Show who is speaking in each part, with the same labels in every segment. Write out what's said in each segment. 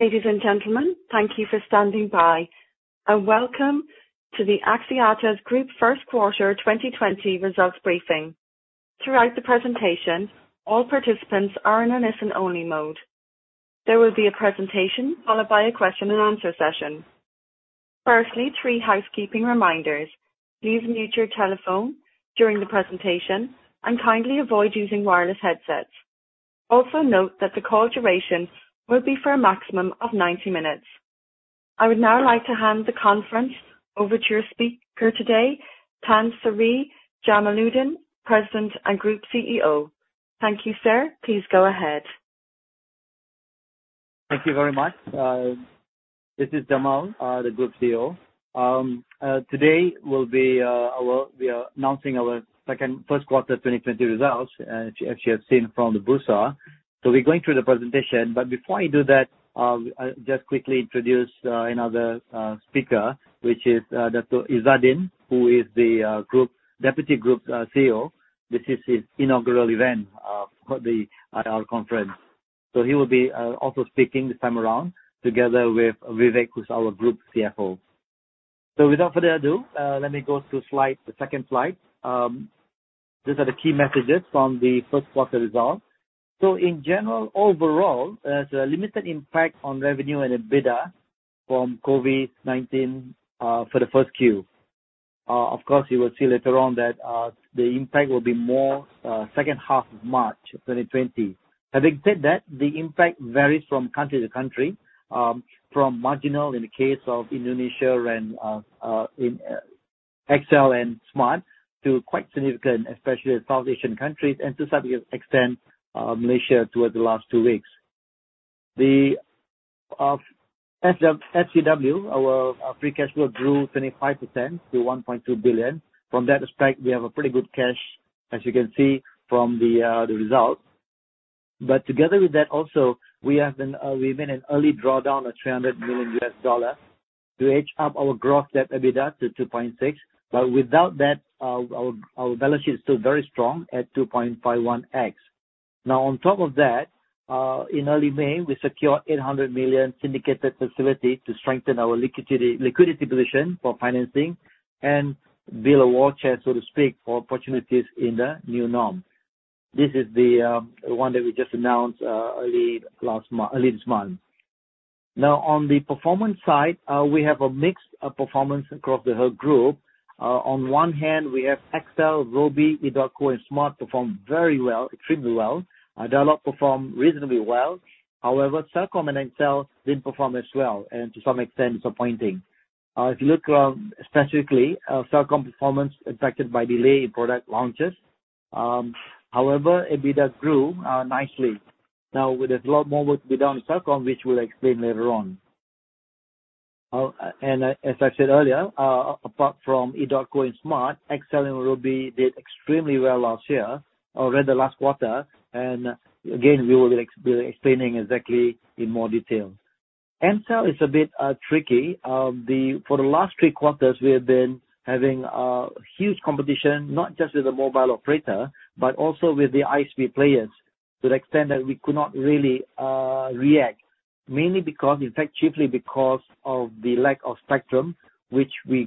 Speaker 1: Ladies and gentlemen, thank you for standing by, and welcome to the Axiata Group First Quarter 2020 Results briefing. Throughout the presentation, all participants are in a listen-only mode. There will be a presentation followed by a question and answer session. Firstly, three housekeeping reminders. Please mute your telephone during the presentation and kindly avoid using wireless headsets. Note that the call duration will be for a maximum of 90 minutes. I would now like to hand the conference over to your speaker today, Tan Sri Jamaludin, President and Group CEO. Thank you, sir. Please go ahead.
Speaker 2: Thank you very much. This is Jamal, the Group CEO. Today, we are announcing our first quarter 2020 results, as you have seen from the bourse. We're going through the presentation. Before I do that, I will just quickly introduce another speaker, which is Dato' Izzaddin, who is the Deputy Group CEO. This is his inaugural event for our conference. He will be also speaking this time around together with Vivek, who's our Group CFO. Without further ado, let me go to the second slide. These are the key messages from the first quarter results. In general, overall, there is a limited impact on revenue and EBITDA from COVID-19 for the first Q. Of course, you will see later on that the impact will be more second half of March 2020. Having said that, the impact varies from country to country, from marginal in the case of Indonesia and in XL and Smart, to quite significant, especially South Asian countries, and to some extent, Malaysia towards the last two weeks. The FCF, our free cash flow, grew 25% to 1.2 billion. From that aspect, we have a pretty good cash, as you can see from the results. Together with that also, we made an early drawdown of $300 million to edge up our gross debt EBITDA to 2.6. Without that, our balance sheet is still very strong at 2.51x. On top of that, in early May, we secured 800 million syndicated facility to strengthen our liquidity position for financing and build a war chest, so to speak, for opportunities in the new norm. This is the one that we just announced early this month. On the performance side, we have a mixed performance across the whole group. On one hand, we have XL, Robi, edotco, and Smart performed very well, extremely well. Dialog performed reasonably well. However, Celcom and Ncell didn't perform as well, and to some extent, disappointing. If you look specifically, Celcom performance affected by delay in product launches. However, EBITDA grew nicely. There's a lot more work to be done in Celcom, which we'll explain later on. As I said earlier, apart from edotco and Smart, XL and Robi did extremely well last year or rather last quarter. Again, we will be explaining exactly in more detail. Ncell is a bit tricky. For the last three quarters, we have been having huge competition, not just with the mobile operator, but also with the ISP players to the extent that we could not really react, mainly because, in fact, chiefly because of the lack of spectrum, which we're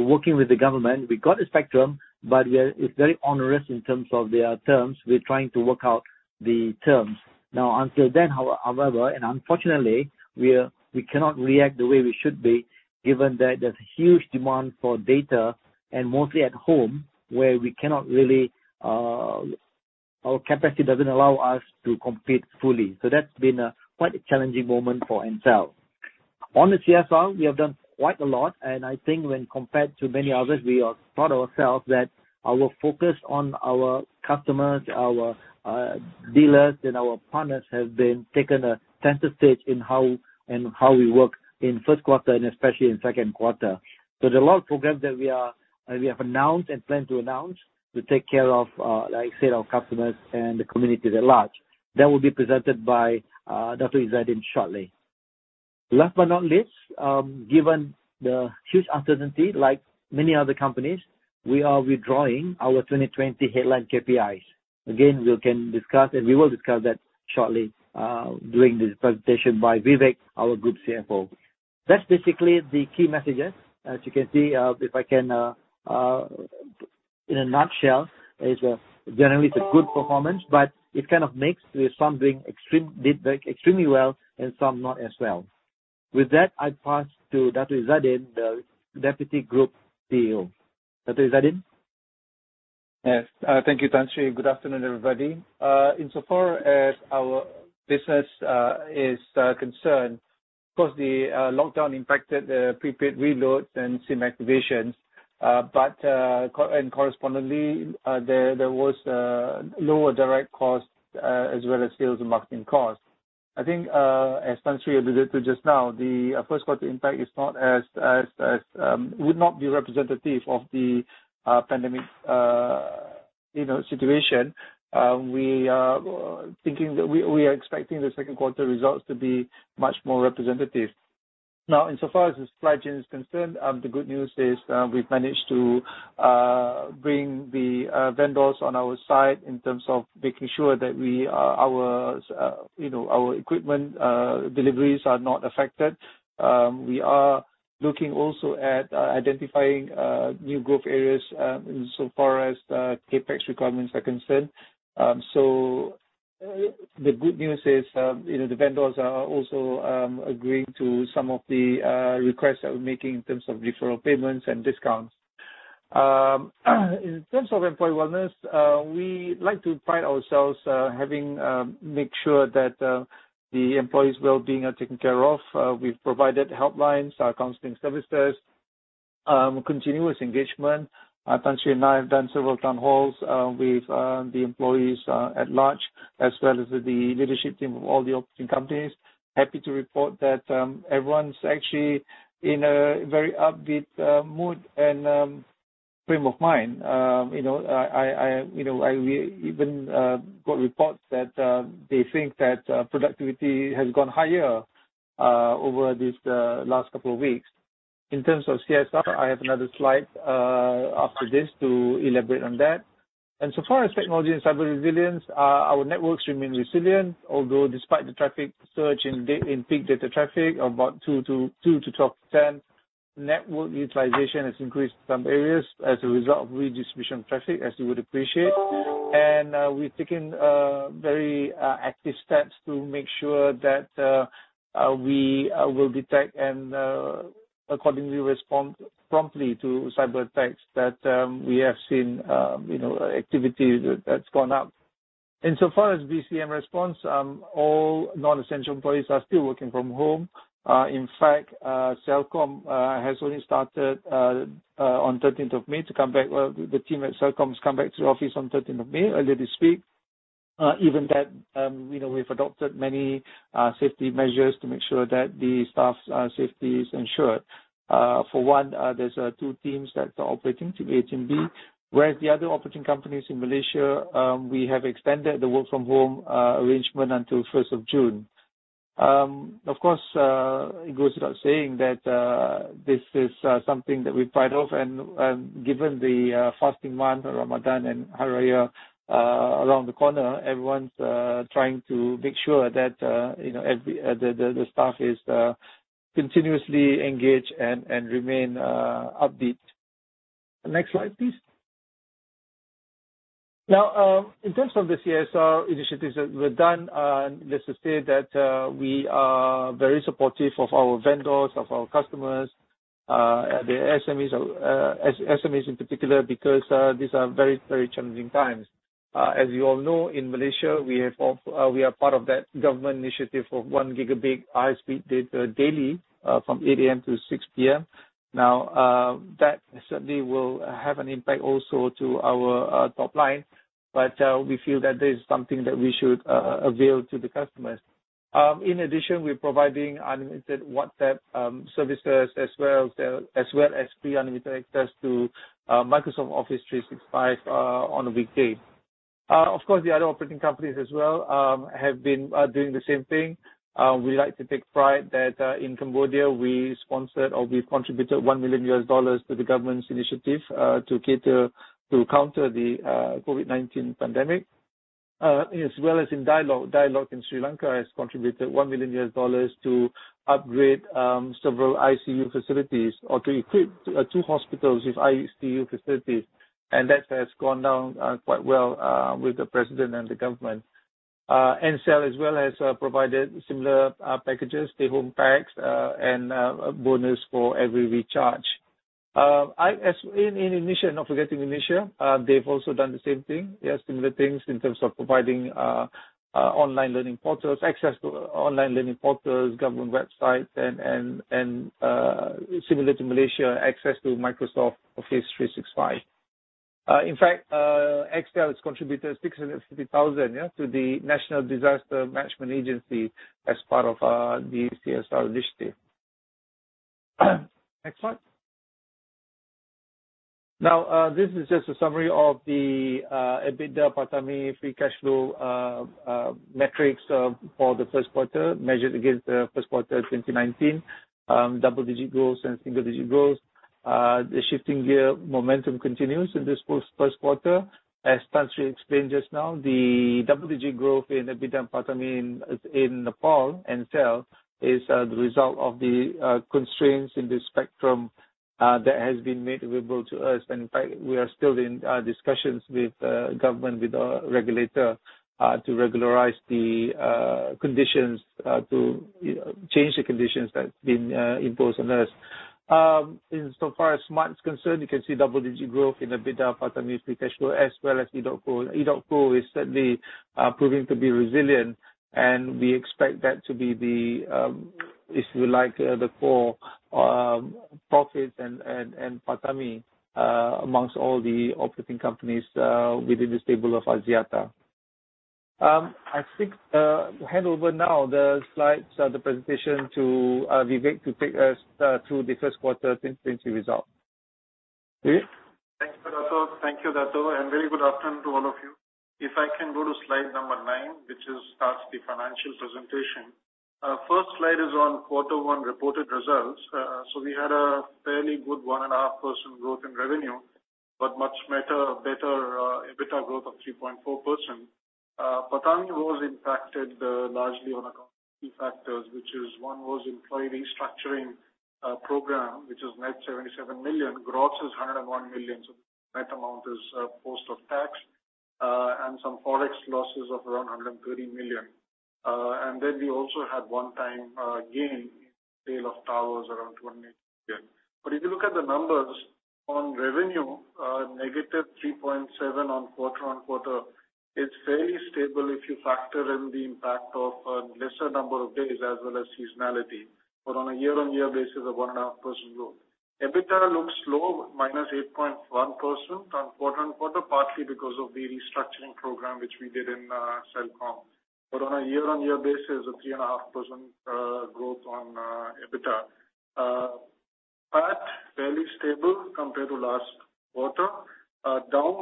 Speaker 2: working with the government. We got a spectrum, but it's very onerous in terms of their terms. We're trying to work out the terms. Now, until then, however, and unfortunately, we cannot react the way we should be, given that there's a huge demand for data and mostly at home where our capacity doesn't allow us to compete fully. That's been quite a challenging moment for Celcom. On the CSR, we have done quite a lot, and I think when compared to many others, we are proud of ourselves that our focus on our customers, our dealers, and our partners have been taken a center stage in how we work in first quarter and especially in second quarter. There's a lot of programs that we have announced and plan to announce to take care of our customers and the community at large. That will be presented by Dato' Izzaddin shortly. Last but not least, given the huge uncertainty, like many other companies, we are withdrawing our 2020 headline KPIs. Again, we can discuss and we will discuss that shortly during this presentation by Vivek, our group CFO. That's basically the key messages. As you can see, if I can, in a nutshell, is generally it is a good performance, but it is kind of mixed with some did extremely well and some not as well. With that, I pass to Dato' Izzaddin, the Deputy Group CEO. Dato' Izzaddin?
Speaker 3: Yes. Thank you, Tan Sri. Good afternoon, everybody. Insofar as our business is concerned, of course, the lockdown impacted the prepaid reloads and SIM activations. Correspondingly, there was lower direct cost as well as sales and marketing costs. I think as Tan Sri alluded to just now, the first quarter impact would not be representative of the pandemic situation. We are expecting the second quarter results to be much more representative. Insofar as the supply chain is concerned, the good news is we've managed to bring the vendors on our side in terms of making sure that our equipment deliveries are not affected. We are looking also at identifying new [growth] areas insofar as CapEx requirements are concerned. The good news is the vendors are also agreeing to some of the requests that we're making in terms of deferral payments and discounts. In terms of employee wellness, we like to pride ourselves having make sure that the employees' wellbeing are taken care of. We've provided helplines, counseling services, continuous engagement. Tan Sri and I have done several town halls with the employees at large as well as with the leadership team of all the operating companies. Happy to report that everyone's actually in a very upbeat mood and frame of mind. We even got reports that they think that productivity has gone higher over these last couple of weeks. In terms of CSR, I have another slide after this to elaborate on that. So far as technology and cyber resilience, our networks remain resilient, although despite the traffic surge in peak data traffic of about 2%-12%, network utilization has increased in some areas as a result of redistribution of traffic, as you would appreciate. We've taken very active steps to make sure that we will detect and accordingly respond promptly to cyberattacks that we have seen activities that's gone up. Insofar as BCM response, all non-essential employees are still working from home. The team at Celcom has come back to the office on 13th of May, earlier this week. Even at that, we've adopted many safety measures to make sure that the staff's safety is ensured. For one, there are two teams that are operating, team A and B. The other operating companies in Malaysia, we have extended the work from home arrangement until 1st of June. It goes without saying that this is something that we pride of and, given the fasting month of Ramadan and Hari Raya around the corner, everyone's trying to make sure that the staff is continuously engaged and remain upbeat. Next slide, please. In terms of the CSR initiatives that were done, needless to say that we are very supportive of our vendors, of our customers. The SMEs in particular because these are very challenging times. As you all know, in Malaysia, we are part of that government initiative of one gigabit high-speed data daily from 8:00 A.M. to 6:00 P.M. That certainly will have an impact also to our top line, but we feel that this is something that we should avail to the customers. In addition, we're providing unlimited WhatsApp services as well as free unlimited access to Microsoft Office 365 on the weekday. Of course, the other operating companies as well have been doing the same thing. We like to take pride that in Cambodia we sponsored or we contributed MYR 1 million to the government's initiative to counter the COVID-19 pandemic. As well as in Dialog. Dialog in Sri Lanka has contributed MYR 1 million to upgrade several ICU facilities or to equip two hospitals with ICU facilities. And that has gone down quite well with the president and the government. Celcom as well has provided similar packages, stay home packs, and a bonus for every recharge. In Indonesia, not forgetting Indonesia, they've also done the same thing. They have similar things in terms of providing access to online learning portals, government websites and, similar to Malaysia, access to Microsoft Office 365. In fact, XL has contributed 650,000 to the National Disaster Management Agency as part of the CSR initiative. Next slide. This is just a summary of the EBITDA, PATAMI, free cashflow metrics for the first quarter measured against the first quarter 2019. Double-digit growth and single-digit growth. The shifting gear momentum continues in this first quarter. As Tan Sri explained just now, the double-digit growth in EBITDA and PATAMI in Nepal, Ncell, is the result of the constraints in the spectrum that has been made available to us. In fact, we are still in discussions with government, with the regulator, to regularize the conditions, to change the conditions that have been imposed on us. In so far as Smart is concerned, you can see double-digit growth in EBITDA, PATAMI, free cashflow, as well as edotco. Edotco is certainly proving to be resilient, and we expect that to be the, if you like, the core profits and PATAMI amongst all the operating companies within this table of Axiata. I think hand over now the slides of the presentation to Vivek to take us through the first quarter results.
Speaker 4: Thanks, [Pradatt]. Thank you, Dato'. Very good afternoon to all of you. If I can go to slide number nine, which starts the financial presentation. First slide is on quarter one reported results. We had a fairly good 1.5% growth in revenue, but much better EBITDA growth of 3.4%. PATAMI was impacted largely on account of key factors, which is one was employee restructuring program, which is net 77 million, gross is 101 million. Net amount is post of tax, and some ForEx losses of around 130 million. We also had one time gain, sale of towers around 20 million. If you look at the numbers on revenue, -3.7% on quarter-on-quarter, it's fairly stable if you factor in the impact of a lesser number of days as well as seasonality. On a year-on-year basis, a 1.5% growth. EBITDA looks low, -8.1% on quarter-on-quarter, partly because of the restructuring program which we did in Celcom. On a year-on-year basis, a 3.5% growth on EBITDA. PAT, fairly stable compared to last quarter. Down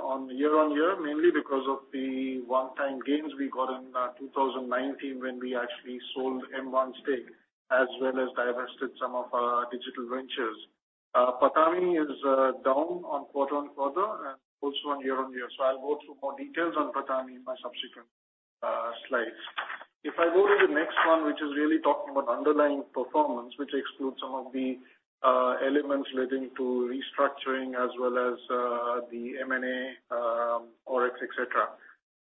Speaker 4: on year-on-year, mainly because of the one-time gains we got in 2019 when we actually sold M1 stake, as well as divested some of our digital ventures. PATAMI is down on quarter-on-quarter and also on year-on-year. I'll go through more details on PATAMI in my subsequent slides. If I go to the next one, which is really talking about underlying performance, which excludes some of the elements relating to restructuring as well as the M&A, ForEx, et cetera.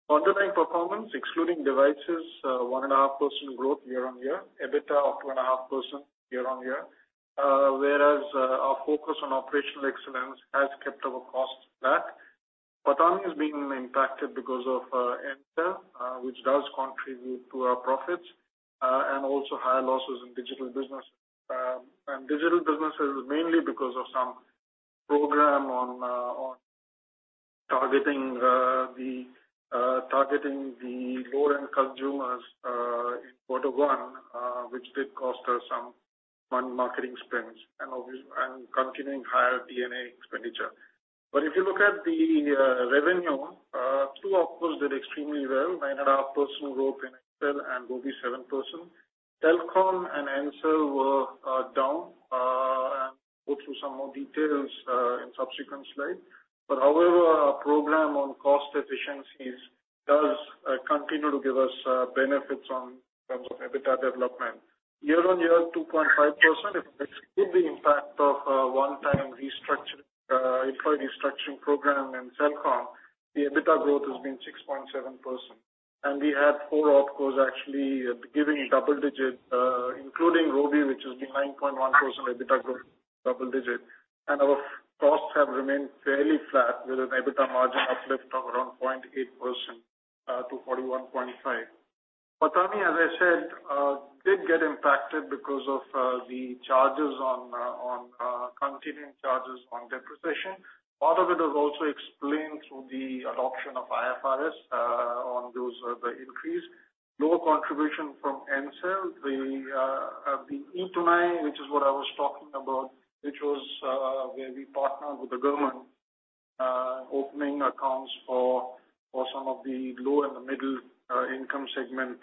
Speaker 4: Underlying performance, excluding devices, 1.5% growth year-on-year, EBITDA up 2.5% year-on-year. Whereas our focus on operational excellence has kept our costs back. PATAMI is being impacted because of Ncell, which does contribute to our profits, also higher losses in digital business. Digital business is mainly because of some program on targeting the lower-end consumers in quarter 1, which did cost us some on marketing spends and continuing higher D&A expenditure. If you look at the revenue, two opcos did extremely well. 9.5% growth in XL and Robi, 7%. Celcom and Aimsir were down, go through some more details in subsequent slide. However, our program on cost efficiencies does continue to give us benefits in terms of EBITDA development. Year-on-year, 2.5% if it exclude the impact of one-time employee restructuring program in Celcom, the EBITDA growth has been 6.7%. We had four opcos actually giving double-digit, including Robi, which is the 9.1% EBITDA growth, double-digit. Our costs have remained fairly flat with an EBITDA margin uplift of around 0.8% to 41.5. PATAMI, as I said, did get impacted because of the continuing charges on depreciation. Part of it is also explained through the adoption of IFRS on those, the increase. Lower contribution from Aimsir. The e-Tunai, which is what I was talking about, which was where we partnered with the government, opening accounts for some of the low and the middle income segment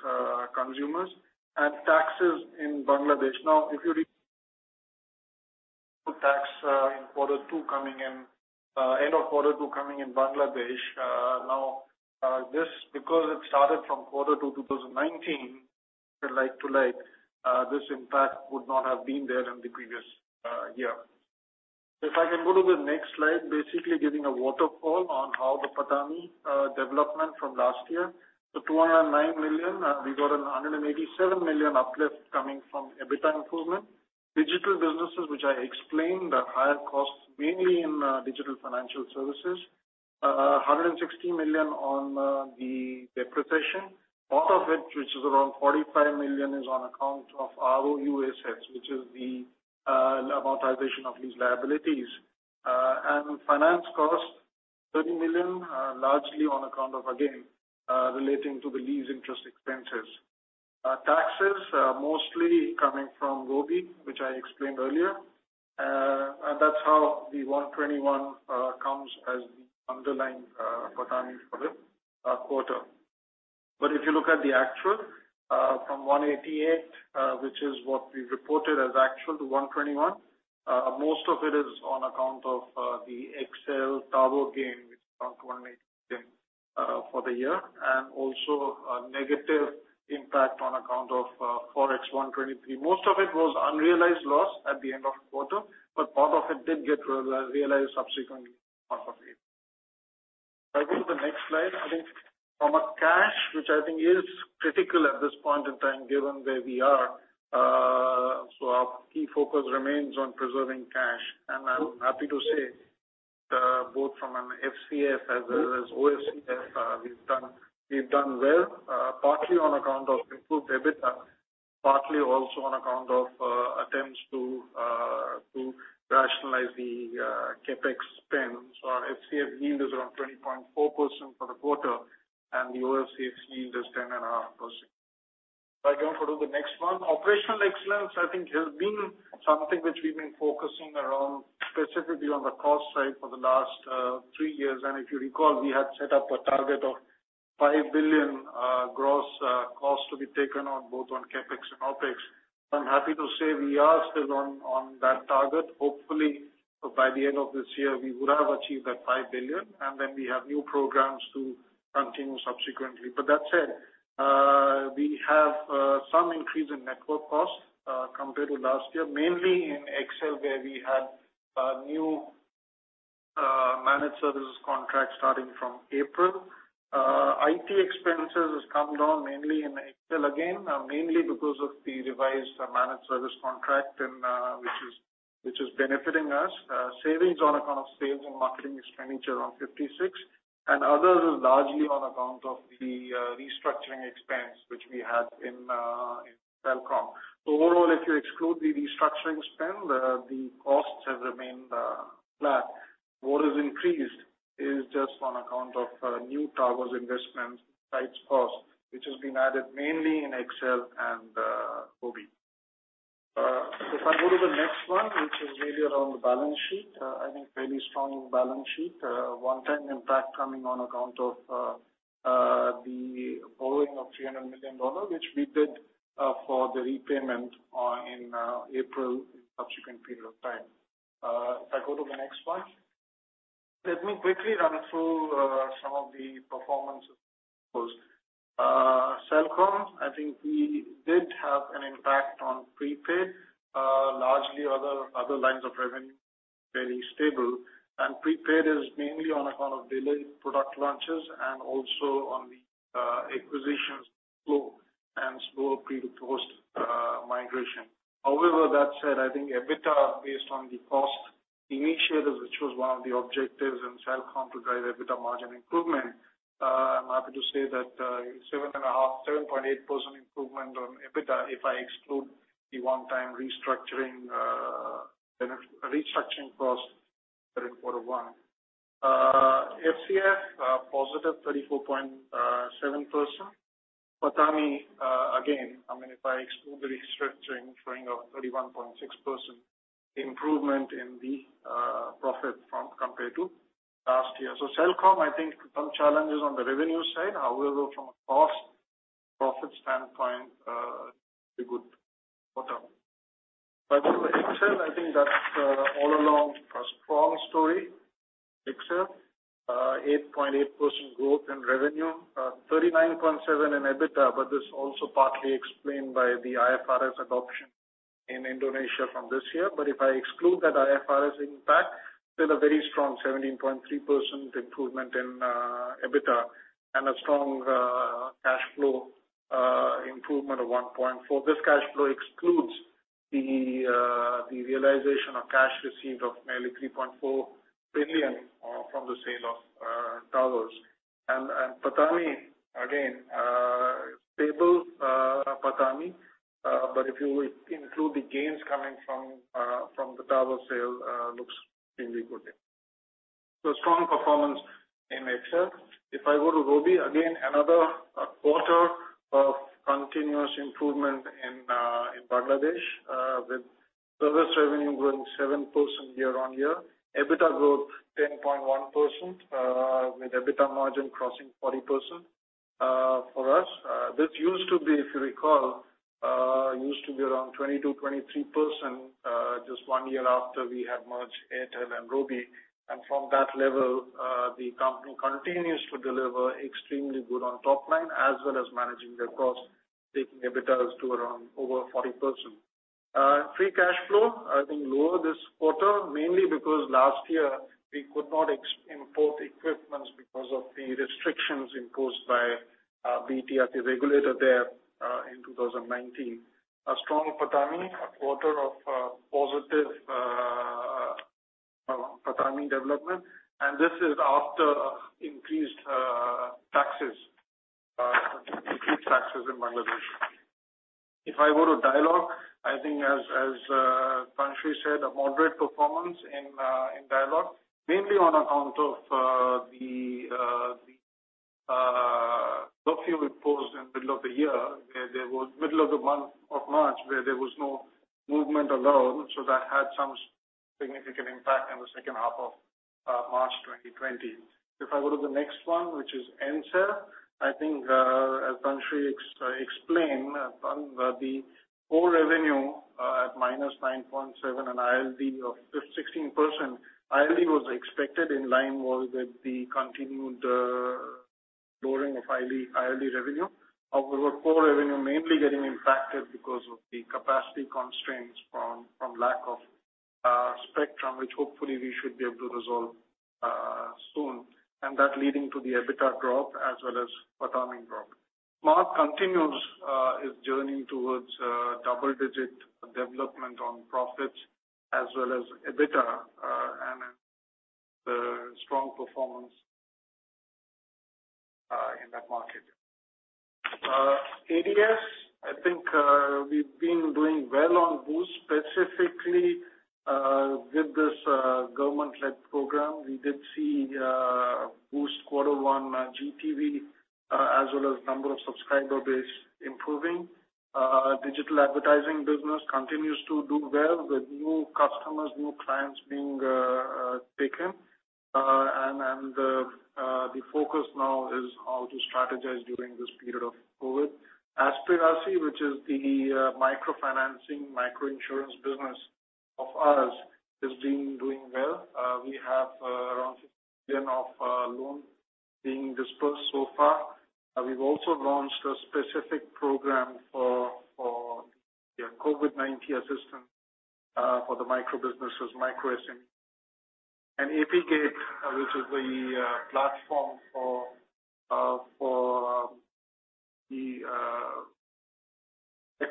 Speaker 4: consumers. Taxes in Bangladesh. Now, if you tax in end of Q2 coming in Bangladesh. Now, because it started from Q2 2019, like to like, this impact would not have been there in the previous year. If I can go to the next slide, basically giving a waterfall on how the PATAMI development from last year. Two hundred and nine million, we got an 187 million uplift coming from EBITDA improvement. Digital businesses, which I explained are higher costs, mainly in digital financial services. 160 million on the depreciation. Part of it, which is around 45 million, is on account of ROU assets, which is the amortization of these liabilities. Finance cost, 30 million, largely on account of, again, relating to the lease interest expenses. Taxes, mostly coming from Robi, which I explained earlier. That's how the 121 comes as the underlying PATAMI for this quarter. If you look at the actual, from 188, which is what we reported as actual, to 121. Most of it is on account of the XL tower gain, which accounts 180 million for the year, and also a negative impact on account of ForEx 123. Most of it was unrealized loss at the end of quarter, part of it did get realized subsequently. If I go to the next slide, I think from a cash, which I think is critical at this point in time, given where we are. Our key focus remains on preserving cash. I'm happy to say, both from an FCF as well as OCF, we've done well, partly on account of improved EBITDA, partly also on account of attempts to rationalize the CapEx spend. Our FCF yield is around 20.4% for the quarter, and the OCF yield is 10.5%. If I can go to the next one. Operational excellence, I think, has been something which we've been focusing around, specifically on the cost side for the last three years. If you recall, we had set up a target of 5 billion, gross costs to be taken on both on CapEx and OpEx. I'm happy to say we are still on that target. Hopefully, by the end of this year, we would have achieved that 5 billion, and then we have new programs to continue subsequently. That said, we have some increase in network costs compared to last year, mainly in Axiata where we had a new managed services contract starting from April. IT expenses has come down mainly in Axiata again, mainly because of the revised managed services contract, which is benefiting us. Savings on account of sales and marketing expenditure are on 56, and others is largely on account of the restructuring expense which we had in Celcom. Overall, if you exclude the restructuring spend, the costs have remained flat. What has increased is just on account of new towers investments, sites cost, which has been added mainly in Axiata and Robi. If I go to the next one, which is really around the balance sheet. I think fairly strong in balance sheet. One-time impact coming on account of the borrowing of $300 million, which we did for the repayment in April and subsequent period of time. If I go to the next one. Let me quickly run through some of the performance of Celcom. I think we did have an impact on prepaid. Largely, other lines of revenue, very stable. Prepaid is mainly on account of delayed product launches and also on the acquisitions slow pre to post migration. That said, I think EBITDA, based on the cost initiatives, which was one of the objectives in Celcom to drive EBITDA margin improvement, I am happy to say that seven-and-a-half, 7.8% improvement on EBITDA, if I exclude the one-time restructuring cost for quarter one. FCF, positive 34.7%. PATAMI, again, if I exclude the restructuring, showing a 31.6% improvement in the profit compared to last year. Celcom, I think some challenges on the revenue side. From a cost profit standpoint, pretty good quarter. If we go to Axiata, I think that's all along a strong story. Axiata, 8.8% growth in revenue, 39.7% in EBITDA, this also partly explained by the IFRS adoption in Indonesia from this year. If I exclude that IFRS impact, still a very strong 17.3% improvement in EBITDA and a strong cash flow improvement of 1.4. This cash flow excludes the realization of cash received of nearly 3.4 billion from the sale of towers. PATAMI, again, stable PATAMI. If you include the gains coming from the tower sale, looks extremely good there. Strong performance in Axiata. If I go to Robi, again, another quarter of continuous improvement in Bangladesh, with service revenue growing 7% year-on-year. EBITDA growth 10.1%, with EBITDA margin crossing 40% for us. This used to be, if you recall, used to be around 22%-23% just one year after we had merged Airtel and Robi. From that level, the company continues to deliver extremely good on top line, as well as managing their cost, taking EBITDAs to around over 40%. Free cash flow, I think lower this quarter, mainly because last year we could not import equipment because of the restrictions imposed by BTR, the regulator there in 2019. A strong PATAMI, a quarter of positive PATAMI development, this is after increased taxes in Bangladesh. If I go to Dialog, I think as Tan Sri said, a moderate performance in Dialog, mainly on account of the we paused in middle of the year, middle of the month of March, where there was no movement alone. That had some significant impact in the second half of March 2020. If I go to the next one, which is Ncell, I think as Tan Sri explained, the core revenue at -9.7% and ILD of 16%. ILD was expected in line with the continued lowering of ILD revenue. Core revenue mainly getting impacted because of the capacity constraints from lack of spectrum, which hopefully we should be able to resolve soon. That leading to the EBITDA drop as well as PATAMI drop. M1 continues its journey towards double-digit development on profits as well as EBITDA and a strong performance in that market. ADS, Boost specifically did this government-led program. We did see Boost Q1 GTV, as well as number of subscriber base improving. Digital advertising business continues to do well with new customers, new clients being taken. The focus now is how to strategize during this period of COVID-19. Aspirasi, which is the micro-financing, micro-insurance business of ours, is doing well. We have around 15 million of loans being dispersed so far. We've also launched a specific program for the COVID-19 assistance for the micro-businesses, micro-insuring. Apigate, which is the platform for the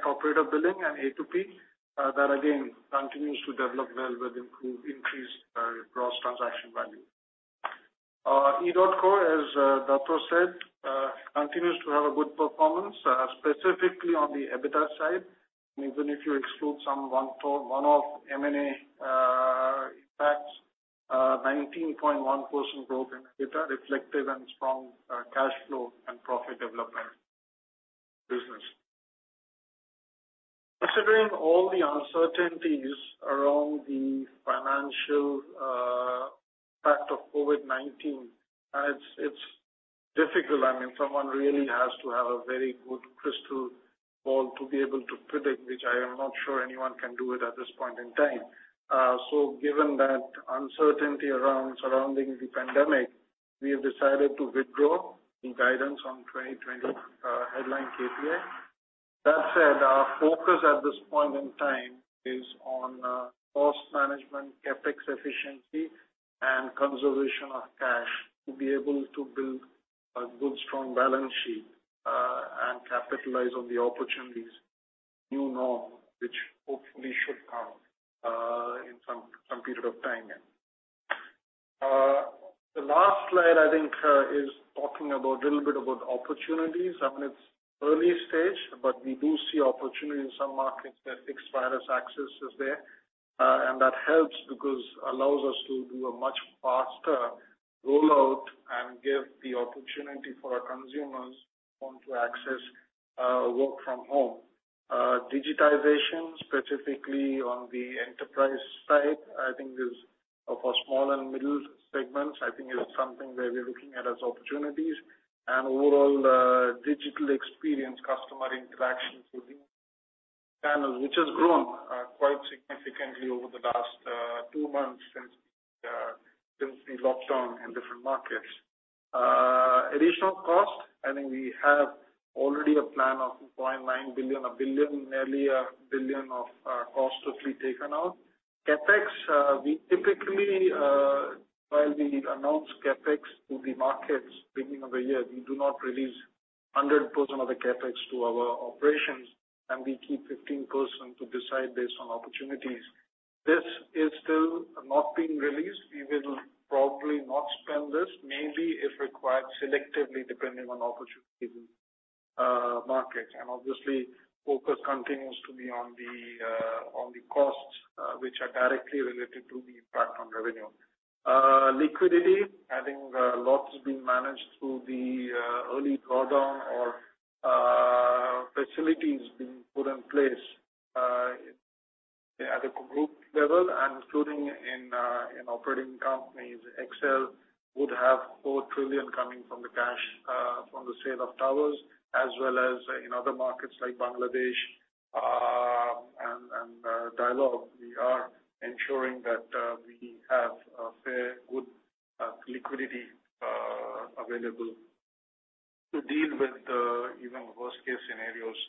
Speaker 4: operator billing and A2P, that again, continues to develop well with increased gross transaction value. Edotco, as Dato' said, continues to have a good performance, specifically on the EBITDA side. Even if you exclude some one-off M&A impacts, 19.1% growth in EBITDA reflective and strong cash flow and profit development business. Considering all the uncertainties around the financial impact of COVID-19, it's difficult. I mean, someone really has to have a very good crystal ball to be able to predict, which I am not sure anyone can do it at this point in time. Given that uncertainty surrounding the pandemic, we have decided to withdraw the guidance on 2020 headline KPI. That said, our focus at this point in time is on cost management, CapEx efficiency, and conservation of cash to be able to build a good, strong balance sheet and capitalize on the opportunities we know, which hopefully should come in some period of time. The last slide, I think, is talking a little bit about opportunities. It's early stage, but we do see opportunity in some markets where fixed wireless access is there. That helps because allows us to do a much faster rollout and give the opportunity for our consumers who want to access work from home. Digitization, specifically on the enterprise side, I think is for small and middle segments. I think it's something where we're looking at as opportunities. Overall digital experience, customer interaction through channels, which has grown quite significantly over the last two months since the lockdown in different markets. Additional cost, I think we have already a plan of 1.9 billion, 1 billion, nearly 1 billion of costs to be taken out. CapEx, we typically, while we announce CapEx to the markets beginning of the year, we do not release 100% of the CapEx to our operations, and we keep 15% to decide based on opportunities. This is still not being released. We will probably not spend this, maybe if required selectively depending on opportunities in markets. Obviously, focus continues to be on the costs which are directly related to the impact on revenue. Liquidity, I think a lot has been managed through the early drawdown or facilities being put in place at a group level and including in operating companies. XL would have 4 trillion coming from the cash from the sale of towers, as well as in other markets like Bangladesh and Dialog. We are ensuring that we have a fair good liquidity available to deal with even worst case scenarios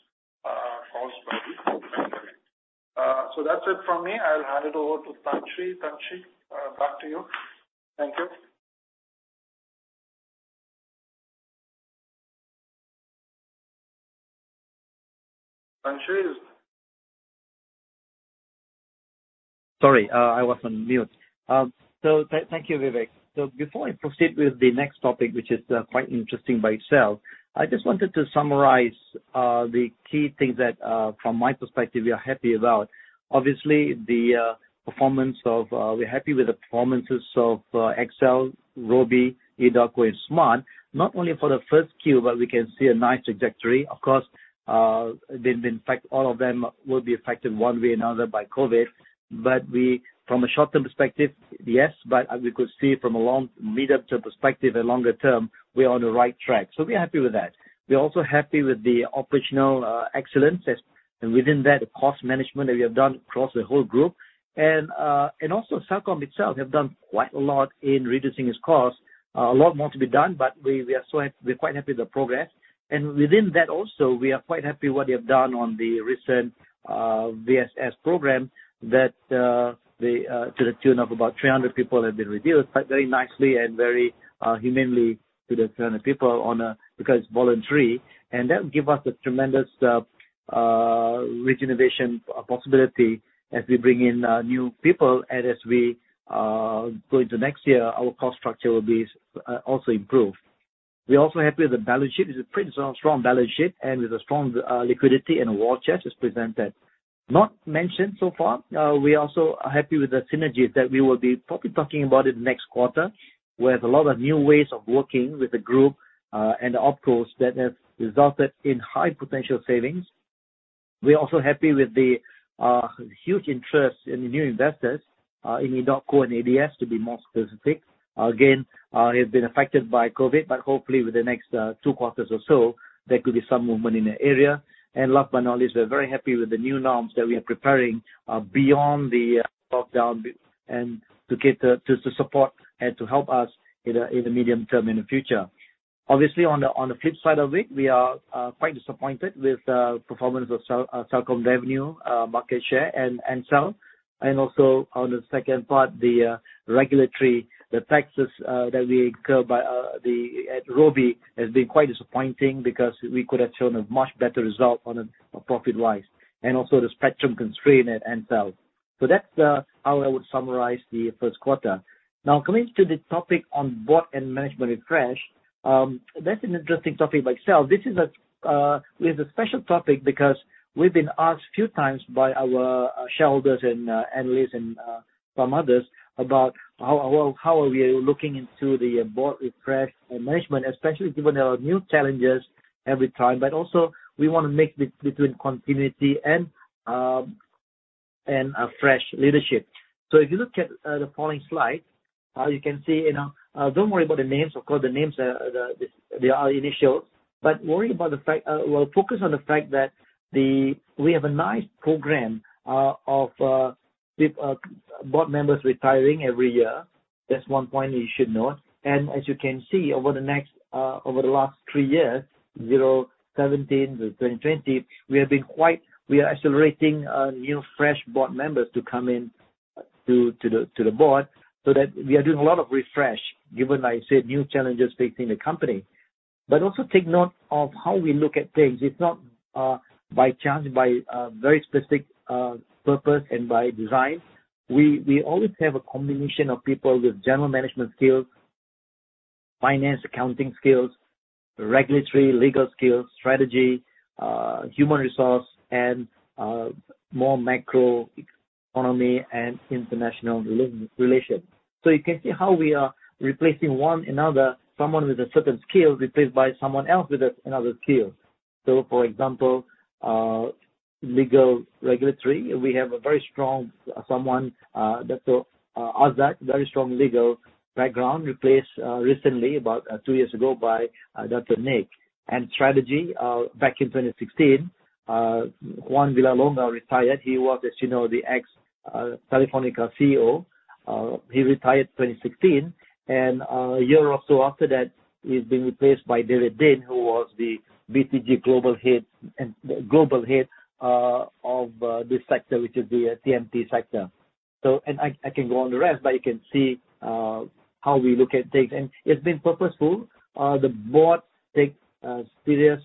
Speaker 4: caused by the pandemic. That's it from me. I'll hand it over to Tan Sri. Tan Sri, back to you. Thank you. Tan Sri?
Speaker 2: Sorry, I was on mute. Thank you, Vivek. Before I proceed with the next topic, which is quite interesting by itself, I just wanted to summarize the key things that from my perspective, we are happy about. Obviously, we're happy with the performances of XL, Robi, edotco, and Smart, not only for the first Q, but we can see a nice trajectory. Of course, in fact, all of them will be affected one way or another by COVID. From a short-term perspective, yes, but as we could see from a medium-term perspective and longer term, we are on the right track. We're happy with that. We're also happy with the operational excellence, and within that, the cost management that we have done across the whole group. Also, Celcom itself have done quite a lot in reducing its cost. A lot more to be done, we're quite happy with the progress. Within that also, we are quite happy what they have done on the recent VSS program that to the tune of about 300 people have been reduced, but very nicely and very humanely to the people because it's voluntary. That will give us a tremendous rejuvenation possibility as we bring in new people and as we go into next year, our cost structure will be also improved. We are also happy with the balance sheet. It's a pretty strong balance sheet, and with a strong liquidity and war chest as presented. Not mentioned so far, we also are happy with the synergies that we will be probably talking about it next quarter. We have a lot of new ways of working with the group, and the opcos that have resulted in high potential savings. We are also happy with the huge interest in the new investors, in edotco and ADS, to be more specific. It has been affected by COVID-19, but hopefully with the next two quarters or so, there could be some movement in the area. Last but not least, we're very happy with the new norms that we are preparing beyond the lockdown, and to support and to help us in the medium term in the future. Obviously, on the flip side of it, we are quite disappointed with the performance of Celcom revenue, market share, and sales. Also on the second part, the regulatory, the taxes that we incur at Robi has been quite disappointing because we could have shown a much better result profit-wise, and also the spectrum constraint at Ncell. That's how I would summarize the first quarter. Coming to the topic on board and management refresh. That's an interesting topic by itself. This is a special topic because we've been asked a few times by our shareholders and analysts and some others about how are we looking into the board refresh and management, especially given our new challenges every time, but also we want to make between continuity and fresh leadership. If you look at the following slide, you can see. Don't worry about the names. Of course, the names are their initials, but focus on the fact that we have a nice program of board members retiring every year. That's one point you should note. As you can see, over the last three years, 2017-2020, we are accelerating new, fresh board members to come in to the board so that we are doing a lot of refresh, given, I said, new challenges facing the company. Also take note of how we look at things. It's not by chance, by very specific purpose and by design. We always have a combination of people with general management skills, finance, accounting skills, regulatory, legal skills, strategy, human resource, and more macroeconomy and international relations. You can see how we are replacing one another, someone with a certain skill replaced by someone else with another skill. For example, legal regulatory. We have a very strong someone, Dato' Azzat, very strong legal background, replaced recently, about two years ago, by Dr. Nik. Strategy, back in 2016, Juan Villalonga retired. He was, as you know, the ex-Telefónica CEO. He retired 2016, and a year or so after that, he's been replaced by Dr. David Dean, who was the BT Group global head of this sector, which is the TMT sector. I can go on the rest, but you can see how we look at things. It's been purposeful. The board takes a serious,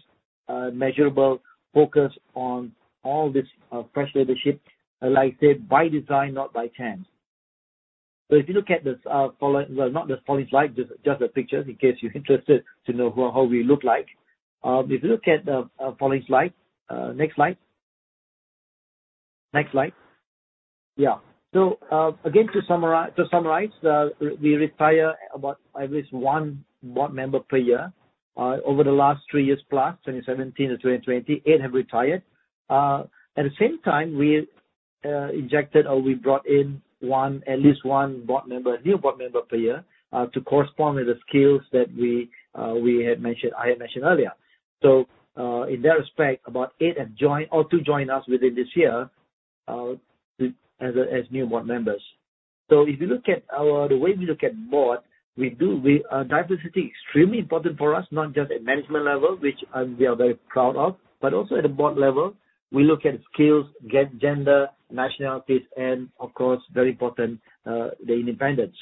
Speaker 2: measurable focus on all this fresh leadership, like I said, by design, not by chance. If you look at the following slide. Next slide. Next slide. Yeah. Again, to summarize, we retire about at least one board member per year. Over the last three years plus, 2017 to 2020, eight have retired. At the same time, we injected or we brought in at least one new board member per year to correspond with the skills that I had mentioned earlier. In that respect, about eight have joined or two join us within this year as new board members. If you look at the way we look at board, diversity extremely important for us, not just at management level, which we are very proud of, but also at the board level. We look at skills, gender, nationalities, and of course, very important, the independent.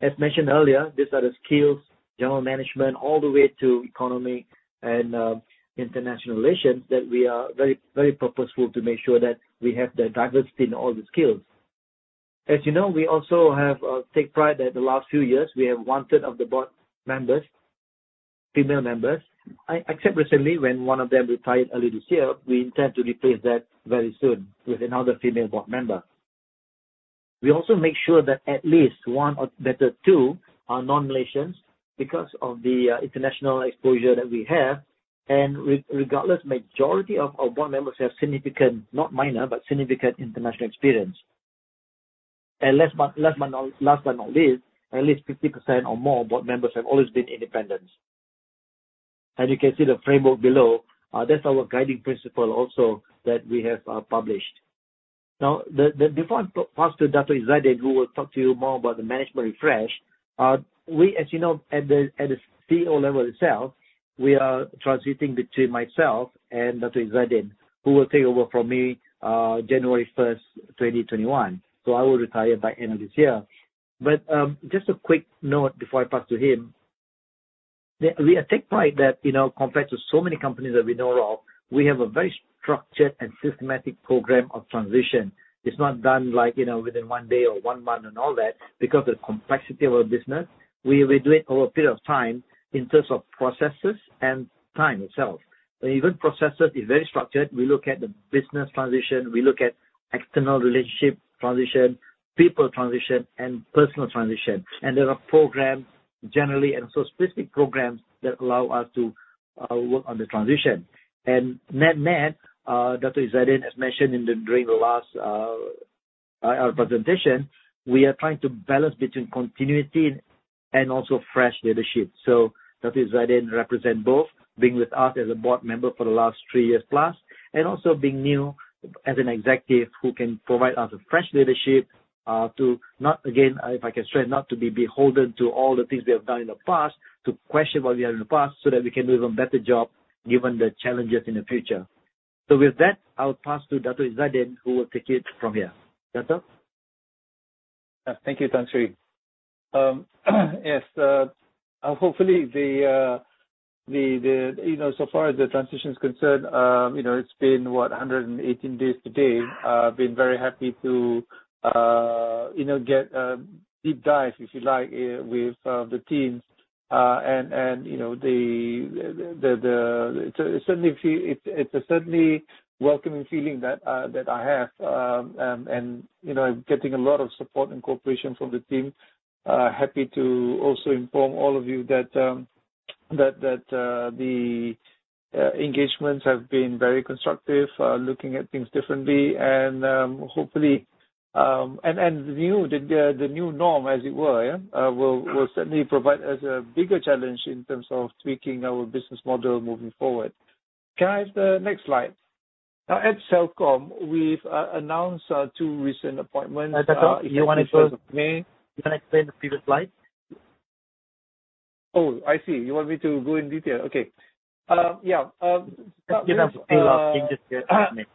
Speaker 2: As mentioned earlier, these are the skills, general management, all the way to economy and international relations that we are very purposeful to make sure that we have the diversity in all the skills. As you know, we also take pride that the last few years we have one-third of the board members, female members. Except recently, when one of them retired early this year. We intend to replace that very soon with another female board member. We also make sure that at least one or better, two are non-Malaysians because of the international exposure that we have. Regardless, majority of our board members have significant, not minor, but significant international experience. Last but not least, at least 50% or more board members have always been independent. As you can see the framework below, that's our guiding principle also that we have published. Now, before I pass to Dato' Izzaddin, who will talk to you more about the management refresh, as you know, at the CEO level itself, we are transitioning between myself and Dato' Izzaddin, who will take over from me, January 1st, 2021. I will retire by end of this year. Just a quick note before I pass to him. We take pride that, compared to so many companies that we know of, we have a very structured and systematic program of transition. It's not done within one day or one month and all that. Because of the complexity of our business, we do it over a period of time in terms of processes and time itself. Even processes is very structured. We look at the business transition, we look at external relationship transition, people transition, and personal transition. There are programs generally and so specific programs that allow us to work on the transition. Net-net, Dato' Izzaddin has mentioned during our presentation, we are trying to balance between continuity and also fresh leadership. Dato' Izzaddin represent both, being with us as a board member for the last three years plus, and also being new as an executive who can provide us a fresh leadership to, again, if I can stress, not to be beholden to all the things we have done in the past, to question what we are in the past, so that we can do an even better job given the challenges in the future. With that, I'll pass to Dato' Izzaddin, who will take it from here. Dato'.
Speaker 3: Thank you, Tan Sri. Yes. Hopefully, so far as the transition is concerned, it has been, what, 118 days today. I have been very happy to get a deep dive, if you like, with the teams. It is certainly a welcoming feeling that I have, and I am getting a lot of support and cooperation from the team. Happy to also inform all of you that the engagements have been very constructive, looking at things differently and hopefully the new norm, as it were, yeah, will certainly provide us a bigger challenge in terms of tweaking our business model moving forward. Can I have the next slide? Now, at Celcom, we have announced two recent appointments-
Speaker 2: Dato', if you want to
Speaker 3: On 1st of May.
Speaker 2: You can explain the previous slide.
Speaker 3: I see. You want me to go in detail? Okay. Yeah.
Speaker 2: Can I have the last page?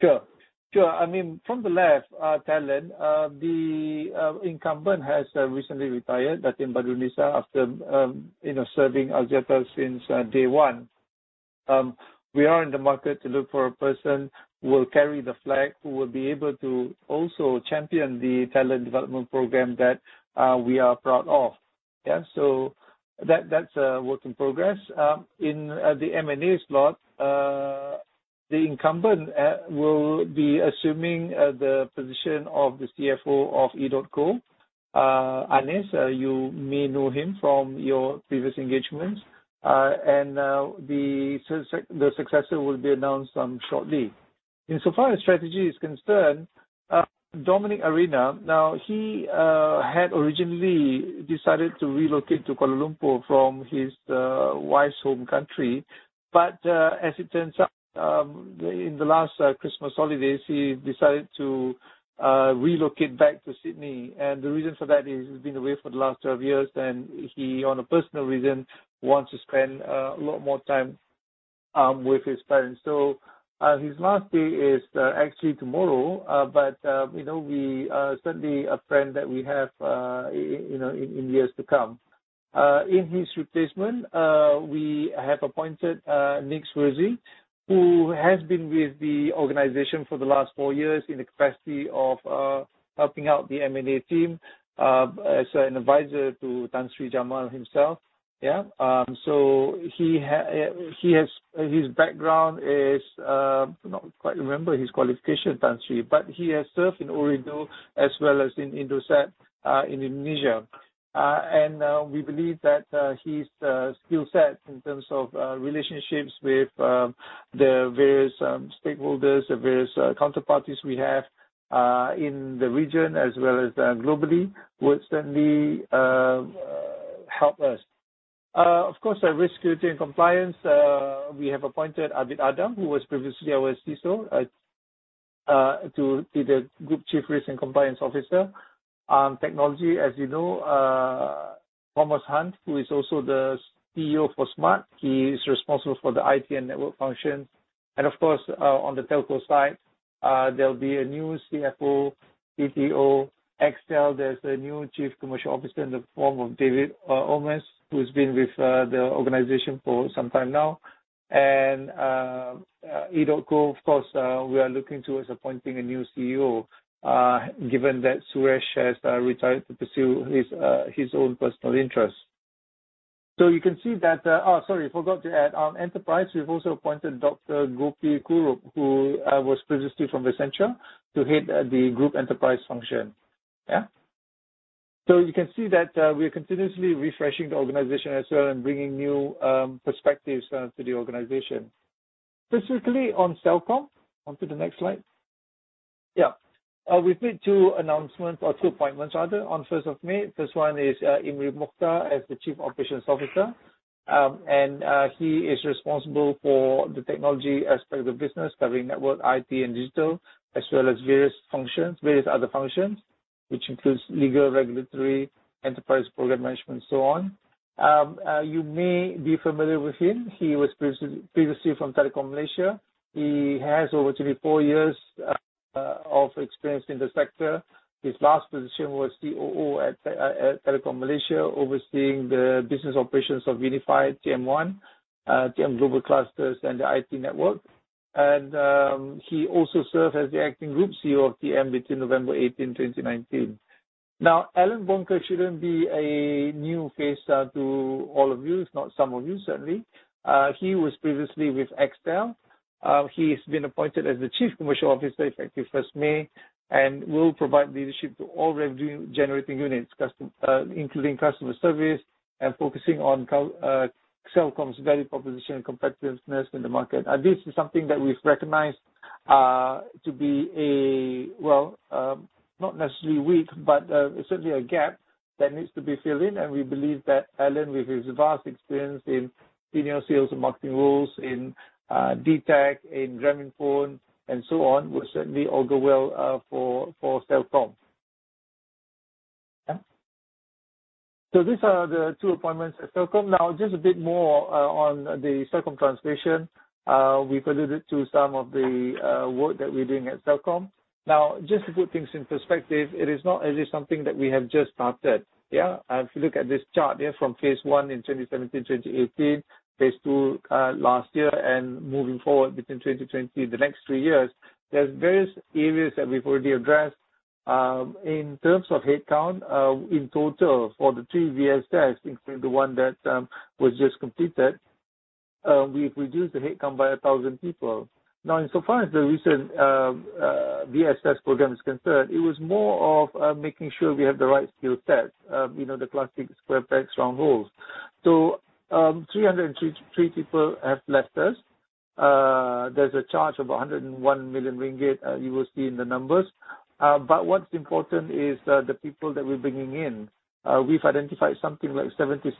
Speaker 3: Sure. From the left, talent. The incumbent has recently retired, Datin Badrunnisa, after serving Axiata since day one. We are in the market to look for a person who will carry the flag, who will be able to also champion the talent development program that we are proud of. Yeah. That's a work in progress. In the M&A slot, the incumbent will be assuming the position of the CFO of edotco. Anis, you may know him from your previous engagements. The successor will be announced shortly. Insofar as strategy is concerned, Dominic Arena. Now, he had originally decided to relocate to Kuala Lumpur from his wife's home country. As it turns out, in the last Christmas holidays, he decided to relocate back to Sydney. The reason for that is, he's been away for the last 12 years, and he, on a personal reason, wants to spend a lot more time with his parents. His last day is actually tomorrow, but certainly a friend that we have in years to come. In his replacement, we have appointed Nick [Swersey], who has been with the organization for the last four years in the capacity of, helping out the M&A team, as an advisor to Tan Sri Jamal himself. Yeah. His background is, I don't quite remember his qualification, Tan Sri, but he has served in Ooredoo as well as in Indosat, in Indonesia. We believe that his skillset in terms of relationships with the various stakeholders, the various counterparties we have in the region as well as globally, would certainly help us. Of course, our risk, security, and compliance, we have appointed Abid Adam, who was previously our CISO, to be the Group Chief Risk and Compliance Officer. Technology, as you know, Thomas Hundt, who is also the CEO for Smart. He is responsible for the IT and network function. On the telco side, there'll be a new CFO, CTO. There's a new Chief Commercial Officer in the form of David Omers, who's been with the organization for some time now. edotCo, of course, we are looking towards appointing a new CEO, given that Suresh has retired to pursue his own personal interests. You can see that Oh, sorry, forgot to add. On enterprise, we've also appointed Dr Gopi Kurup, who was previously from Accenture, to head the group enterprise function. Yeah. You can see that we are continuously refreshing the organization as well and bringing new perspectives to the organization. Specifically on Celcom. On to the next slide. We've made two announcements or two appointments rather on 1st of May. First one is Imri Mokhtar as the Chief Operations Officer. He is responsible for the technology aspect of the business, covering network, IT, and digital, as well as various other functions, which includes legal, regulatory, enterprise program management, so on. You may be familiar with him. He was previously from Telekom Malaysia. He has over 24 years of experience in the sector. His last position was COO at Telekom Malaysia, overseeing the business operations of unifi TM One, TM Global, and the IT network. He also served as the acting Group CEO of TM between November 18, 2019. Allan Bonke shouldn't be a new face to all of you, if not some of you, certainly. He was previously with XL. He's been appointed as the Chief Commercial Officer, effective 1st May, and will provide leadership to all revenue-generating units, including customer service and focusing on Celcom's value proposition competitiveness in the market. This is something that we've recognized to be, not necessarily weak, but certainly a gap that needs to be filled in. We believe that Allan, with his vast experience in senior sales and marketing roles in Dialog, in Grameenphone, and so on, will certainly all go well for Celcom. Yeah. These are the two appointments at Celcom. Just a bit more on the Celcom transformation. We've alluded to some of the work that we're doing at Celcom. Just to put things in perspective, it is not as if something that we have just started, yeah. If you look at this chart from phase 1 in 2017-2018, phase 2 last year, and moving forward between 2020, the next three years, there's various areas that we've already addressed. In terms of headcount, in total for the three VSS, including the one that was just completed, we've reduced the headcount by 1,000 people. Insofar as the recent VSS program is concerned, it was more of making sure we have the right skill set, the classic square pegs, round holes. 303 people have left us. There's a charge of 101 million ringgit, you will see in the numbers. What's important is the people that we're bringing in. We've identified something like 76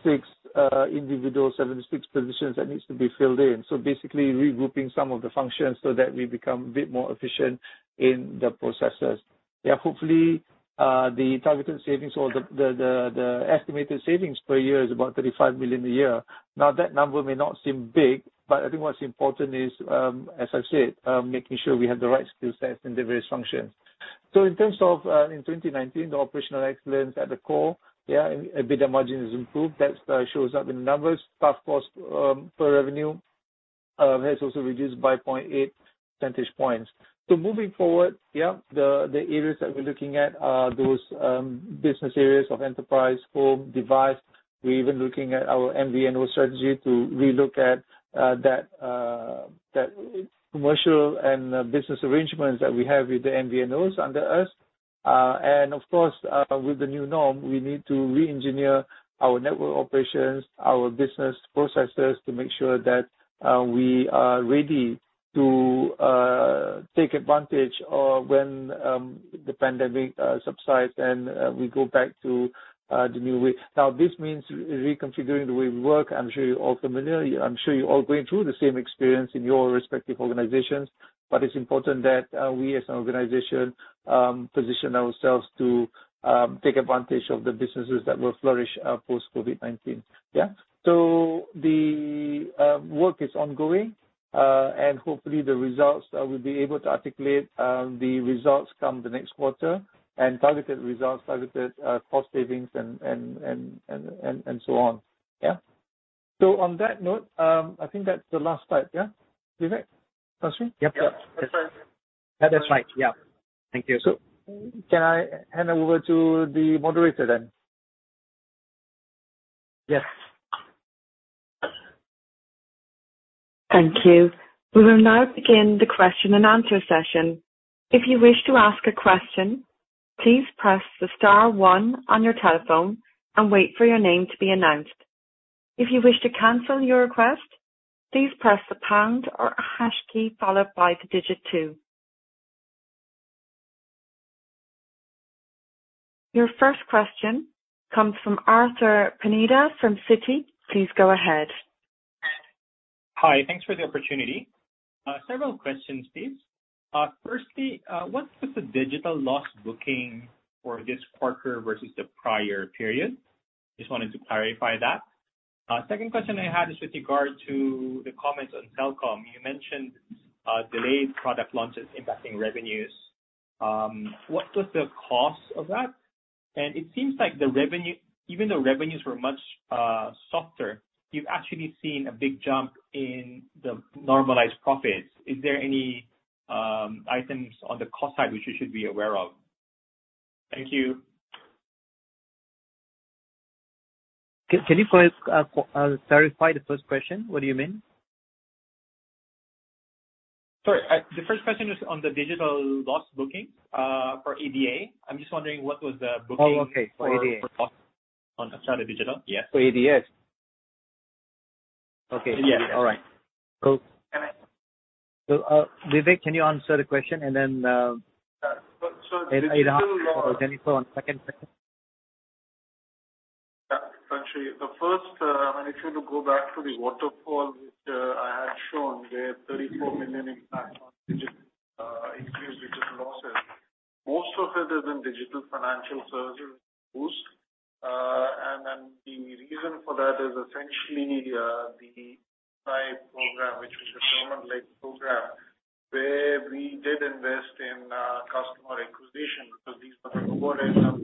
Speaker 3: individuals, 76 positions that needs to be filled in. Basically regrouping some of the functions so that we become a bit more efficient in the processes. Hopefully, the targeted savings or the estimated savings per year is about 35 million a year. That number may not seem big, but I think what's important is, as I've said, making sure we have the right skill sets in the various functions. In terms of, in 2019, the operational excellence at the core, EBITDA margin is improved. That shows up in numbers. Staff cost per revenue has also reduced by 0.8 percentage points. Moving forward, the areas that we're looking at are those business areas of enterprise, home, device. We're even looking at our MVNO strategy to relook at that commercial and business arrangements that we have with the MVNOs under us. Of course, with the new norm, we need to re-engineer our network operations, our business processes to make sure that we are ready to take advantage of when the pandemic subsides and we go back to the new way. Now, this means reconfiguring the way we work. I'm sure you're all familiar. I'm sure you're all going through the same experience in your respective organizations. It's important that we as an organization position ourselves to take advantage of the businesses that will flourish post-COVID-19. Yeah. The work is ongoing. Hopefully, we'll be able to articulate the results come the next quarter and targeted results, targeted cost savings, and so on. Yeah. On that note, I think that's the last slide. Yeah. Vivek? [Sanchay]?
Speaker 4: Yep.
Speaker 2: That's right.
Speaker 4: That's right. Yeah. Thank you.
Speaker 3: Can I hand over to the moderator then? Yes.
Speaker 1: Thank you. We will now begin the question and answer session. If you wish to ask a question, please press star 1 on your telephone and wait for your name to be announced. If you wish to cancel your request, please press the pound or hash key followed by digit 2. Your first question comes from Arthur Pineda from Citi. Please go ahead.
Speaker 5: Hi. Thanks for the opportunity. Several questions, please. Firstly, what was the digital loss booking for this quarter versus the prior period? Just wanted to clarify that. Second question I had is with regard to the comments on Celcom. You mentioned delayed product launches impacting revenues. What was the cost of that? It seems like even though revenues were much softer, you've actually seen a big jump in the normalized profits. Is there any items on the cost side which we should be aware of? Thank you.
Speaker 2: Can you first clarify the first question? What do you mean?
Speaker 5: Sorry. The first question was on the digital loss booking for ADA. I'm just wondering what was the booking?
Speaker 2: Oh, okay. For ADA
Speaker 5: for loss on Axiata Digital. Yes.
Speaker 2: For ADS. Okay.
Speaker 5: Yeah.
Speaker 2: All right. Cool. Vivek, can you answer the question?
Speaker 4: So the digital-
Speaker 2: Jennifer on second question.
Speaker 4: Sanchay, the first, if you were to go back to the waterfall which I had shown, the 34 million impact on increased digital losses, most of it is in digital financial services Boost. The reason for that is essentially the [five program], which was a government-led program where we did invest in customer acquisition because these are lower income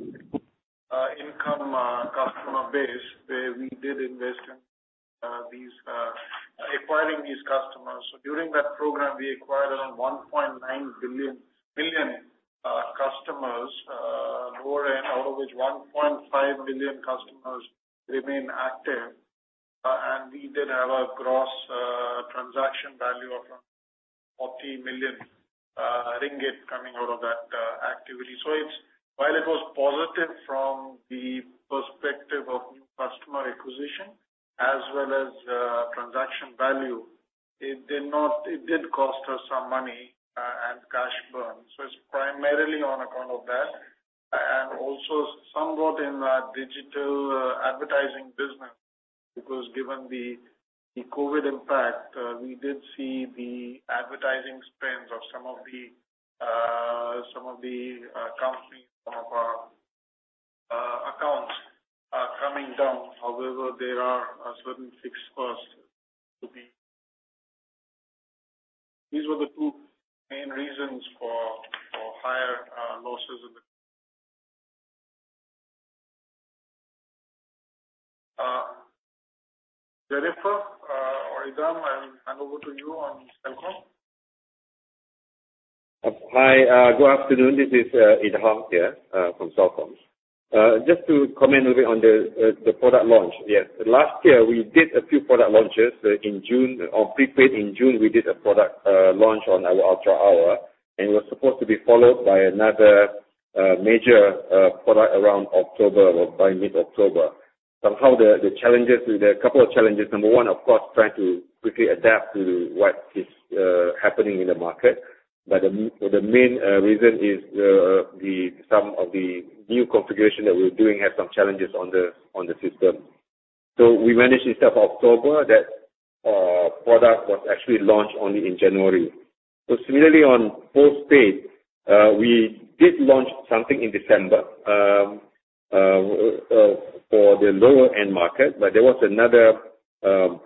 Speaker 4: customer base, where we did invest in acquiring these customers. During that program, we acquired around 1.9 billion customers, lower end out of which 1.5 million customers remain active. We did have a gross transaction value of around 40 million ringgit coming out of that activity. While it was positive from the perspective of new customer acquisition as well as transaction value, it did cost us some money and cash burn. It's primarily on account of that and also somewhat in our digital advertising business because given the COVID impact, we did see the advertising spends of some of the companies, some of our accounts coming down. However, there are certain fixed costs. These were the two main reasons for higher losses in the Jennifer or Idham, I hand over to you on Celcom.
Speaker 6: Hi, good afternoon. This is Idham here from Celcom. Just to comment a bit on the product launch. Yes. Last year, we did a few product launches in June. On prepaid in June, we did a product launch on our Ultra Hour, and it was supposed to be followed by another major product around October or by mid-October. Somehow, the couple of challenges, number one, of course, trying to quickly adapt to what is happening in the market. The main reason is some of the new configuration that we're doing have some challenges on the system. We managed instead of October, that product was actually launched only in January. Similarly on postpaid, we did launch something in December for the lower-end market, but there was another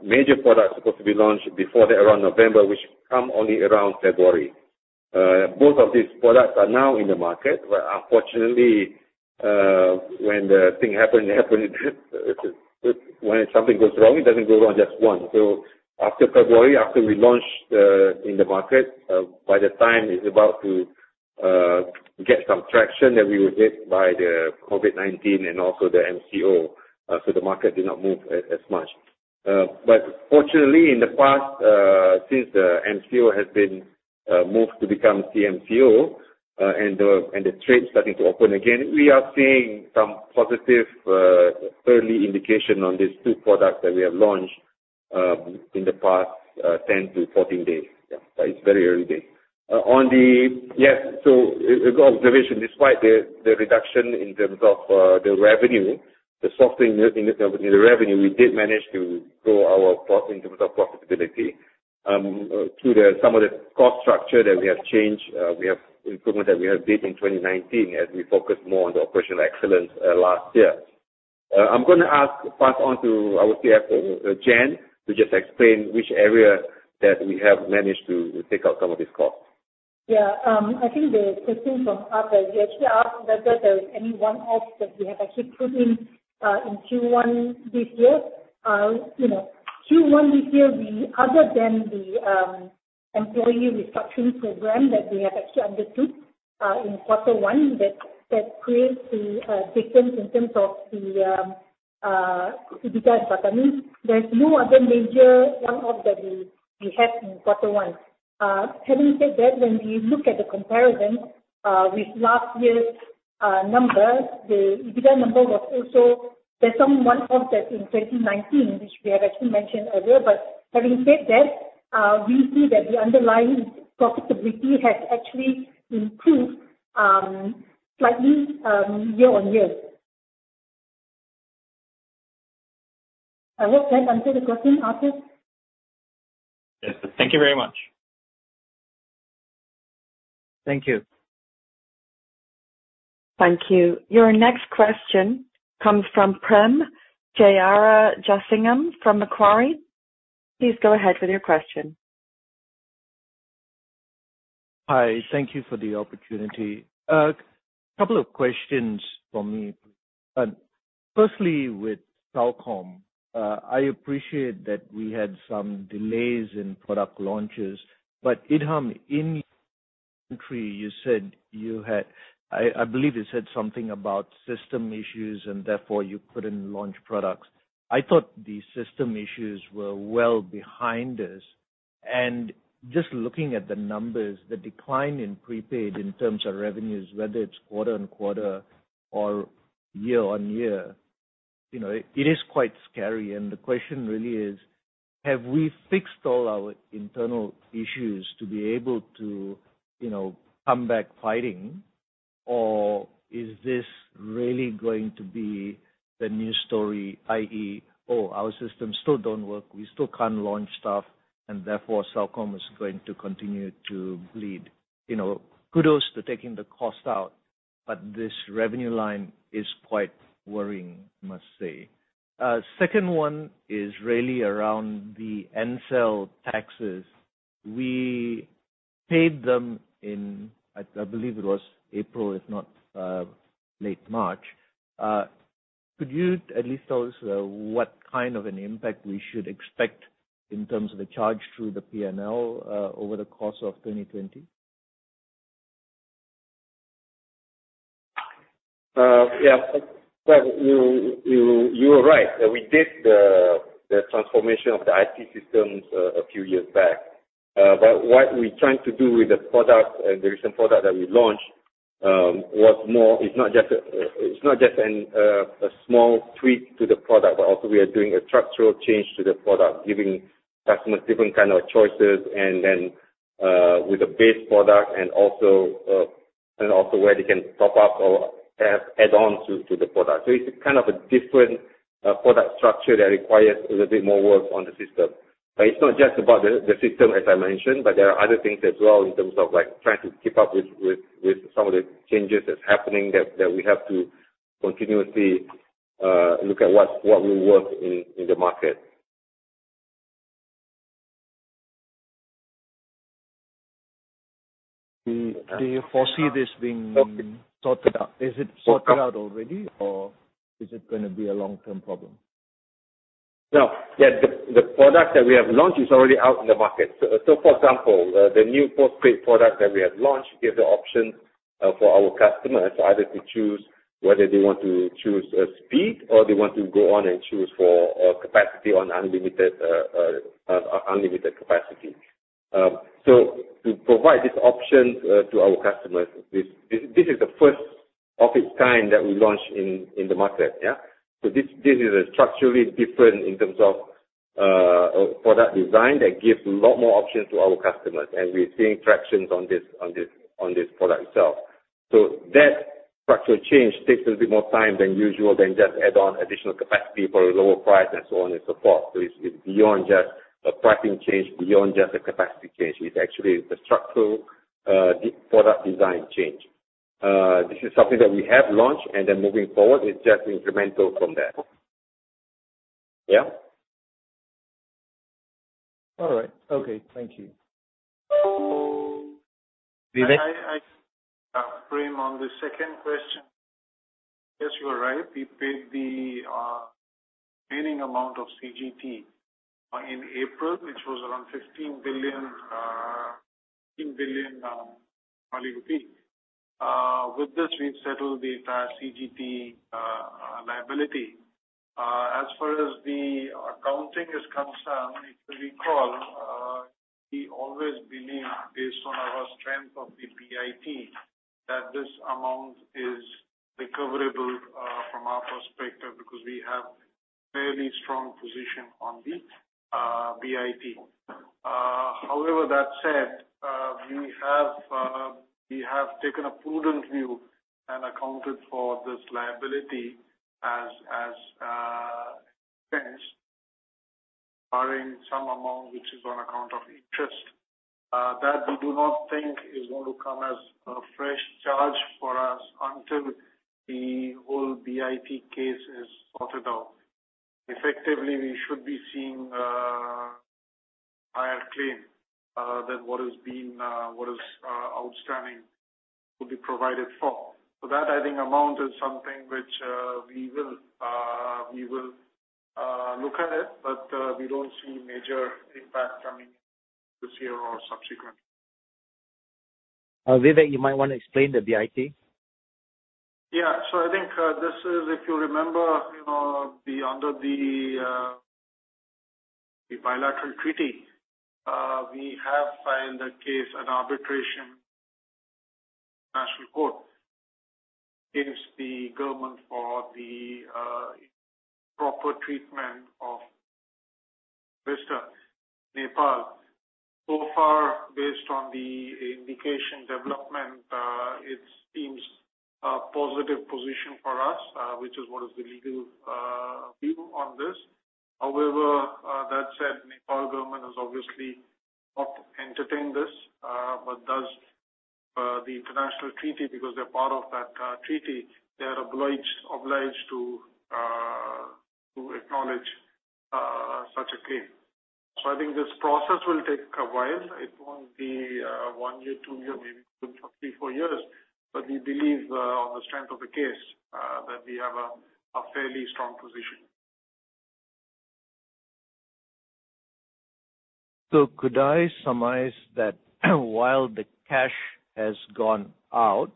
Speaker 6: major product supposed to be launched before that around November, which come only around February. Both of these products are now in the market. Unfortunately, when the thing happen, it happen. When something goes wrong, it doesn't go wrong just once. After February, after we launched in the market, by the time it's about to get some traction that we would get by the COVID-19 and also the MCO, the market did not move as much. Fortunately, in the past, since the MCO has been moved to become CMCO and the trade starting to open again, we are seeing some positive early indication on these two products that we have launched in the past 10 to 14 days. Yeah. It's very early days. Observation, despite the reduction in terms of the revenue, the softness in the revenue, we did manage to grow our profit in terms of profitability through some of the cost structure that we have changed. We have improvement that we have did in 2019 as we focus more on the operational excellence last year. I'm gonna pass on to our CFO, Jen, to just explain which area that we have managed to take out some of these costs.
Speaker 7: Yeah. I think the question from Arthur, you actually asked whether there is any one-off that we have actually put in Q1 this year. Q1 this year, other than the employee restructuring program that we have actually undertook in quarter one that creates the difference in terms of the EBITDA. That means there's no other major one-off that we had in quarter one. Having said that, when we look at the comparison with last year's numbers, there's some one-off that in 2019 which we have actually mentioned earlier. Having said that, we see that the underlying profitability has actually improved slightly year-on-year. I hope that answered the question, Arthur.
Speaker 5: Yes. Thank you very much.
Speaker 6: Thank you.
Speaker 1: Thank you. Your next question comes from Prem Jearajasingam from Macquarie. Please go ahead with your question.
Speaker 8: Hi. Thank you for the opportunity. A couple of questions from me. Firstly, with Celcom, I appreciate that we had some delays in product launches. Idham, in your entry, I believe you said something about system issues and therefore you couldn't launch products. I thought the system issues were well behind us. Just looking at the numbers, the decline in prepaid in terms of revenues, whether it's quarter-on-quarter or year-on-year, it is quite scary. The question really is, have we fixed all our internal issues to be able to come back fighting or is this really going to be the new story, i.e., "Oh, our systems still don't work. We still can't launch stuff, and therefore Celcom is going to continue to bleed." Kudos to taking the cost out. This revenue line is quite worrying, I must say. Second one is really around the Ncell taxes. We paid them in, I believe it was April, if not late March. Could you at least tell us what kind of an impact we should expect in terms of the charge through the P&L over the course of 2020?
Speaker 6: Yeah. You are right. We did the transformation of the IT systems a few years back. What we're trying to do with the recent product that we launched, it's not just a small tweak to the product, but also we are doing a structural change to the product, giving customers different kind of choices, and then with the base product and also where they can top up or add on to the product. It's a different product structure that requires a little bit more work on the system. It's not just about the system, as I mentioned, but there are other things as well in terms of trying to keep up with some of the changes that's happening, that we have to continuously look at what will work in the market.
Speaker 8: Do you foresee this being sorted out? Is it sorted out already, or is it going to be a long-term problem?
Speaker 6: No. The product that we have launched is already out in the market. For example, the new postpaid product that we have launched gives the option for our customers either to choose whether they want to choose a speed or they want to go on and choose for capacity on unlimited capacity. To provide this option to our customers, this is the first of its kind that we launched in the market. Yeah. This is structurally different in terms of product design that gives a lot more options to our customers, and we're seeing tractions on this product itself. That structural change takes a little bit more time than usual than just add on additional capacity for a lower price and so on and so forth. It's beyond just a pricing change, beyond just a capacity change. It's actually the structural product design change. This is something that we have launched, and then moving forward, it's just incremental from there. Yeah?
Speaker 8: All right. Okay. Thank you.
Speaker 2: Vivek?
Speaker 4: I, Prem, on the second question, yes, you are right. We paid the remaining amount of CGT in April, which was around 15 billion. With this, we've settled the entire CGT liability. As far as the accounting is concerned, if you recall, we always believed based on our strength of the BIT, that this amount is recoverable from our perspective because we have fairly strong position on the BIT. That said, we have taken a prudent view and accounted for this liability as finished, barring some amount which is on account of interest. That we do not think is going to come as a fresh charge for us until the whole BIT case is sorted out. We should be seeing a higher claim than what is outstanding will be provided for. That, I think amount is something which we will look at it, but we don't see major impact coming this year or subsequent.
Speaker 2: Vivek, you might want to explain the BIT.
Speaker 4: Yeah. I think this is, if you remember, under the bilateral treaty, we have filed a case, an arbitration, national court against the government for the proper treatment of [VISTA] Nepal. Far, based on the indication development, it seems a positive position for us, which is what is the legal view on this. However, that said, Nepal government has obviously not entertained this. Thus the international treaty, because they're part of that treaty, they are obliged to acknowledge such a claim. I think this process will take a while. It won't be one year, two year, maybe three, four years. We believe on the strength of the case, that we have a fairly strong position.
Speaker 8: Could I surmise that while the cash has gone out,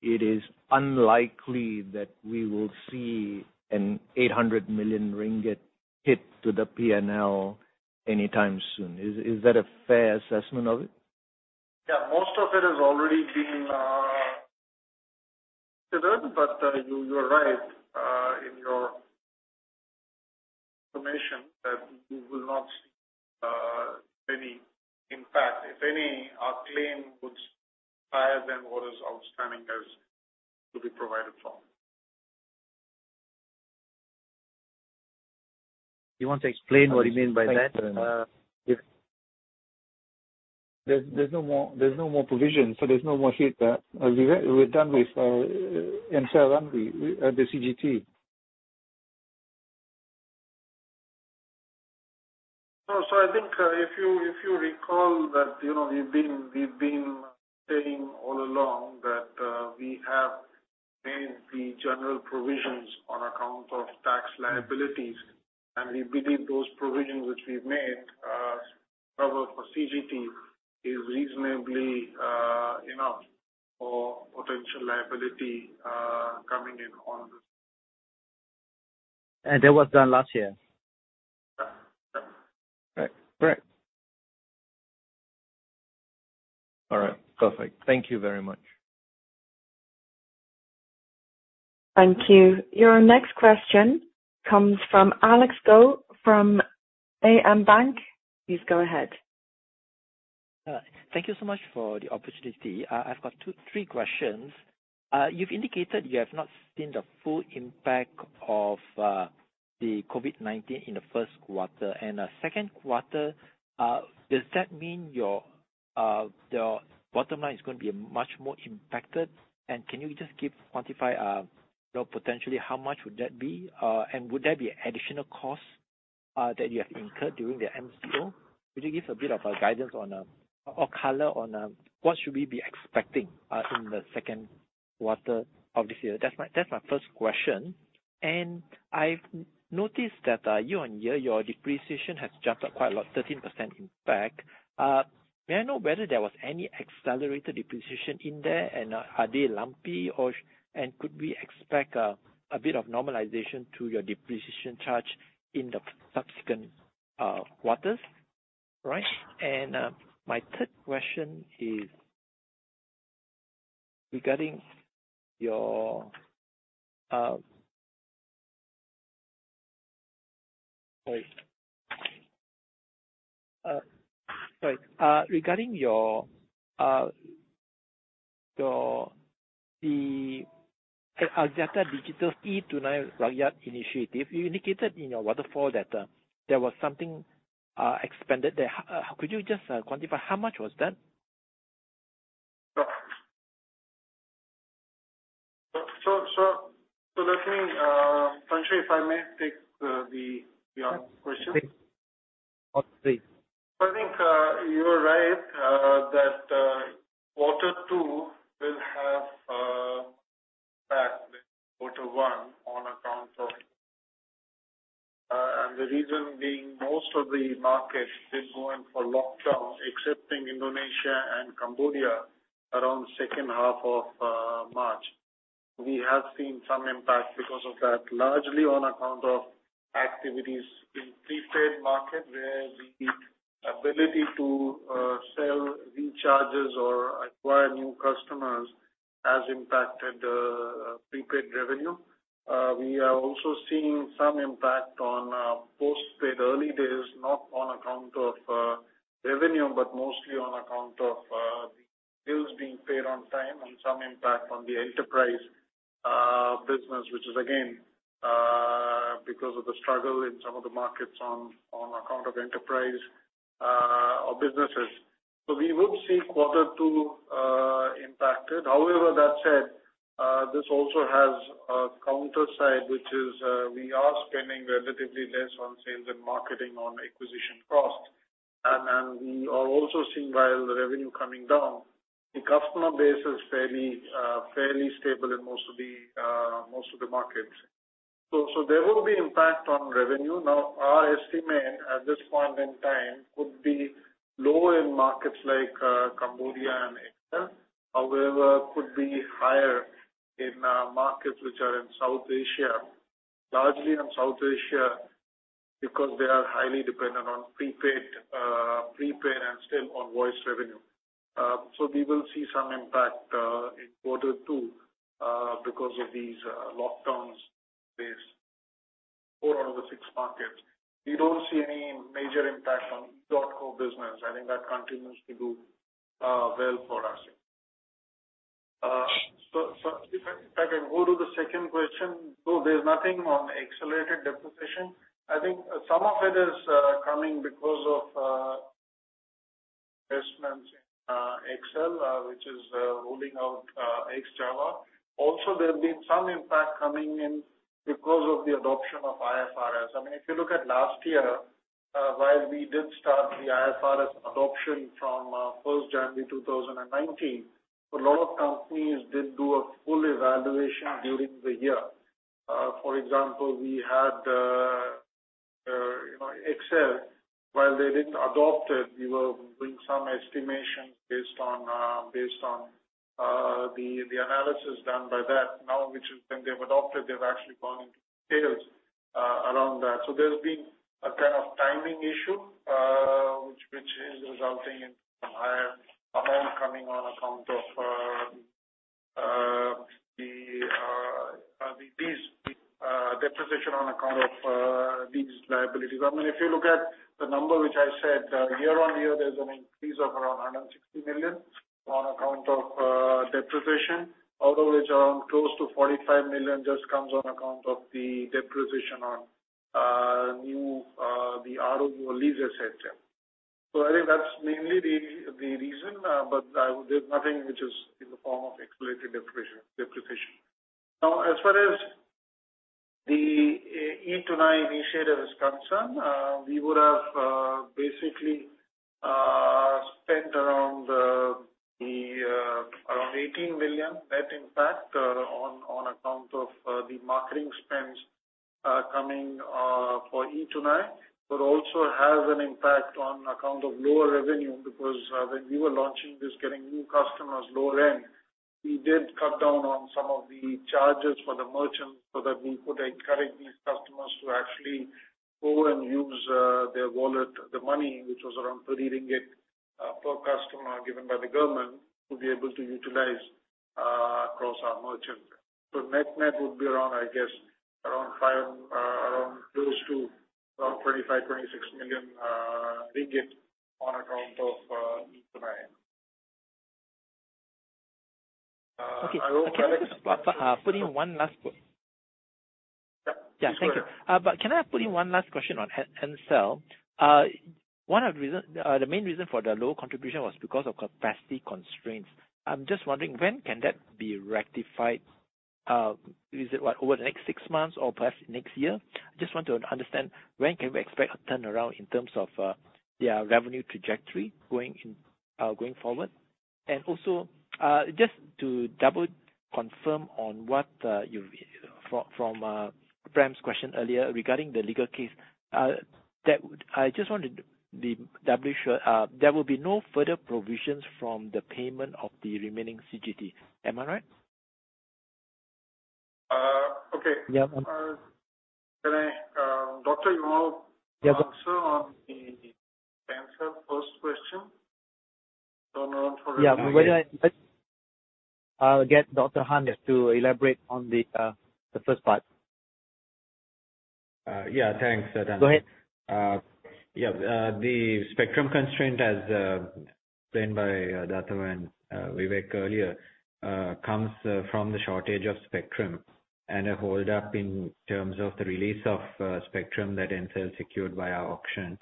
Speaker 8: it is unlikely that we will see an 800 million ringgit hit to the P&L anytime soon. Is that a fair assessment of it?
Speaker 4: Most of it has already been delivered. You're right in your information that we will not see any impact. If any, our claim would be higher than what is outstanding as to be provided for.
Speaker 2: You want to explain what you mean by that?
Speaker 8: There's no more provision, so there's no more sheet there. We're done with the CGT.
Speaker 4: I think if you recall that we've been saying all along that we have made the general provisions on account of tax liabilities, and we believe those provisions which we've made, cover for CGT, is reasonably enough for potential liability coming in on this.
Speaker 2: That was done last year.
Speaker 4: Yes.
Speaker 2: Right. Correct. All right, perfect. Thank you very much.
Speaker 1: Thank you. Your next question comes from Alex Goh from AmBank. Please go ahead.
Speaker 9: Thank you so much for the opportunity. I've got three questions. You've indicated you have not seen the full impact of the COVID-19 in the first quarter. In the second quarter, does that mean your bottom line is going to be much more impacted? Can you just quantify, potentially how much would that be? Would there be additional costs that you have incurred during the MCO? Could you give a bit of a guidance or color on what should we be expecting in the second quarter of this year? That's my first question. I've noticed that year-on-year, your depreciation has jumped up quite a lot, 13% in fact. May I know whether there was any accelerated depreciation in there, and are they lumpy, and could we expect a bit of normalization to your depreciation charge in the subsequent quarters? Right. Sorry. Regarding the Axiata Digital's e-Tunai Rakyat initiative, you indicated in your waterfall that there was something expanded there. Could you just quantify how much was that?
Speaker 4: That means, Tan Sri, if I may take the question.
Speaker 2: Please.
Speaker 4: I think you are right, that quarter two will have impact than quarter one on account of. The reason being, most of the markets did go in for lockdowns, excepting Indonesia and Cambodia around second half of March. We have seen some impact because of that, largely on account of activities in prepaid market, where the ability to sell recharges or acquire new customers has impacted prepaid revenue. We are also seeing some impact on postpaid early days, not on account of revenue, but mostly on account of bills being paid on time and some impact on the enterprise business, which is again because of the struggle in some of the markets on account of enterprise or businesses. We would see quarter two impacted. However, that said, this also has a counter side, which is we are spending relatively less on sales and marketing on acquisition costs. We are also seeing while the revenue coming down, the customer base is fairly stable in most of the markets. There will be impact on revenue. Our estimate at this point in time could be low in markets like Cambodia and XL. Could be higher in markets which are in South Asia, largely in South Asia, because they are highly dependent on prepaid and still on voice revenue. We will see some impact in quarter two because of these lockdowns based four out of the six markets. We don't see any major impact on edotco business. I think that continues to do well for us. If I can go to the second question. There's nothing on accelerated depreciation. I think some of it is coming because of investments in XL, which is rolling out Xtra. There's been some impact coming in because of the adoption of IFRS. If you look at last year, while we did start the IFRS adoption from first January 2019, a lot of companies did do a full evaluation during the year. For example, we had XL, while they didn't adopt it, we were doing some estimations based on the analysis done by that. Which when they've adopted, they've actually gone into details around that. There's been a kind of timing issue, which is resulting in some higher amount coming on account of these depreciation on account of these liabilities. If you look at the number which I said year-on-year, there's an increase of around 160 million on account of depreciation, out of which around close to 45 million just comes on account of the depreciation on the ROU asset. I think that's mainly the reason, but there's nothing which is in the form of accelerated depreciation. As far as the e-Tunai initiative is concerned, we would have basically spent around RM18 million net impact on account of the marketing spends coming for e-Tunai, but also has an impact on account of lower revenue. When we were launching this, getting new customers, low rent, we did cut down on some of the charges for the merchants so that we could encourage these customers to actually go and use their wallet, the money, which was around RM30 per customer given by the government to be able to utilize across our merchants. Net would be around, I guess, around close to RM25, 26 million on account of e-Tunai.
Speaker 9: Okay. Can I just put in one last-
Speaker 4: Yeah.
Speaker 9: Yeah, thank you. Can I put in one last question on Ncell? The main reason for the low contribution was because of capacity constraints. I am just wondering, when can that be rectified? Is it, over the next six months or perhaps next year? I just want to understand when can we expect a turnaround in terms of their revenue trajectory going forward. Also, just to double confirm on what from Prem's question earlier regarding the legal case, I just wanted to be doubly sure. There will be no further provisions from the payment of the remaining CGT. Am I right?
Speaker 4: Okay.
Speaker 9: Yeah.
Speaker 4: Can I, Doctor, you want to answer on the Ncell first question?
Speaker 2: Yeah. Maybe I'll get Dr Hans to elaborate on the first part.
Speaker 10: Yeah. Thanks, Tan Sri.
Speaker 2: Go ahead.
Speaker 10: Yeah. The spectrum constraint, as explained by Dato' and Vivek earlier, comes from the shortage of spectrum and a hold-up in terms of the release of spectrum that Ncell secured via auction.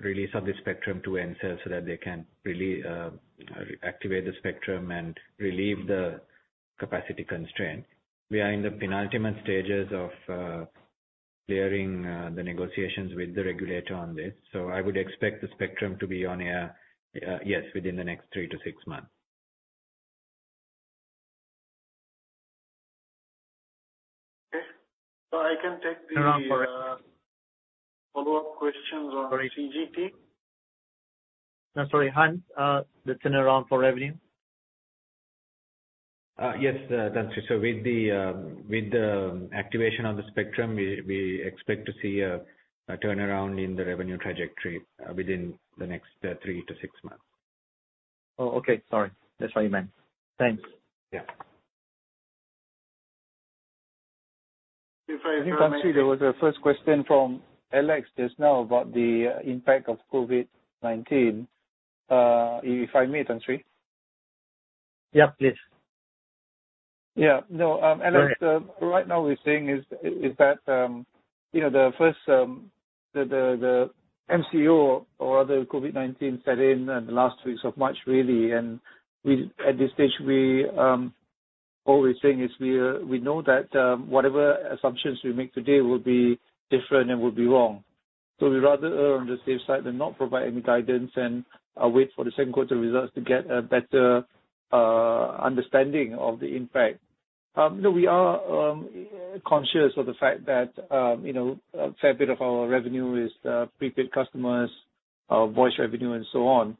Speaker 10: Release of the spectrum to Ncell so that they can really activate the spectrum and relieve the capacity constraint. We are in the penultimate stages of clearing the negotiations with the regulator on this. I would expect the spectrum to be on air, yes, within the next 3-6 months.
Speaker 4: Okay. I can take the-
Speaker 9: Turnaround.
Speaker 4: Follow-up questions on CGT.
Speaker 9: No, sorry, Hans. The turnaround for revenue.
Speaker 10: Yes, Tan Sri. With the activation of the spectrum, we expect to see a turnaround in the revenue trajectory within the next three to six months.
Speaker 9: Oh, okay. Sorry. That's what you meant. Thanks.
Speaker 10: Yeah.
Speaker 4: If I- I think, Tan Sri, there was a first question from Alex just now about the impact of COVID-19. If I may, Tan Sri.
Speaker 2: Yeah, please.
Speaker 4: Yeah. No, Alex.
Speaker 9: Sorry.
Speaker 4: Right now we're saying is that, the MCO or rather COVID-19 set in the last weeks of March, really. At this stage, all we're saying is we know that whatever assumptions we make today will be different and will be wrong. We'd rather err on the safe side and not provide any guidance, and wait for the second quarter results to get a better understanding of the impact. No, we are conscious of the fact that a fair bit of our revenue is prepaid customers, voice revenue and so on.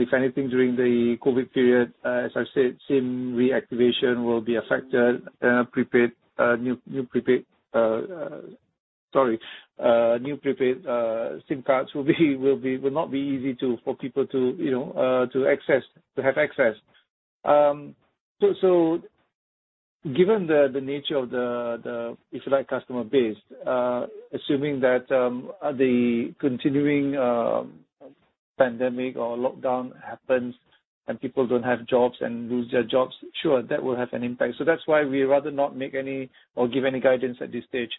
Speaker 4: If anything, during the COVID period, as I've said, SIM reactivation will be affected, and new prepaid SIM cards will not be easy for people to have access. Given the nature of the, if you like, customer base, assuming that the continuing pandemic or lockdown happens and people don't have jobs and lose their jobs, sure, that will have an impact. That's why we rather not make any or give any guidance at this stage,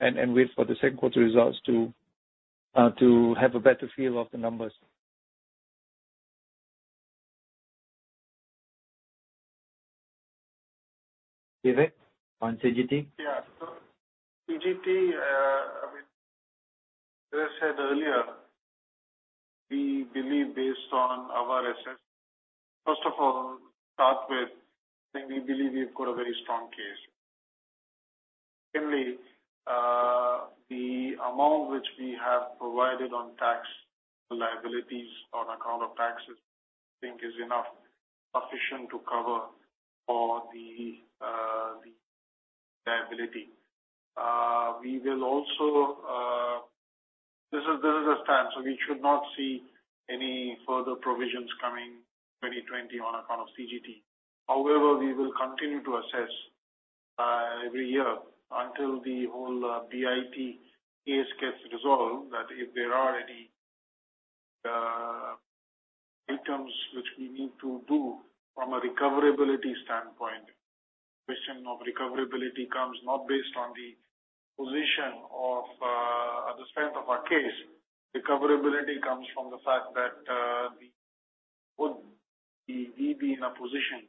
Speaker 4: and wait for the second quarter results to have a better feel of the numbers.
Speaker 9: Vivek, on CGT?
Speaker 4: Yeah. CGT, as I said earlier, we believe based on our assessment, first of all, start with saying we believe we've got a very strong case. Secondly, the amount which we have provided on tax liabilities on account of taxes, I think is enough, sufficient to cover for the liability. This is the stand. We should not see any further provisions coming 2020 on account of CGT. However, we will continue to assess every year until the whole BIT case gets resolved, that if there are any items which we need to do from a recoverability standpoint. Question of recoverability comes not based on the position of the strength of our case. Recoverability comes from the fact that would we be in a position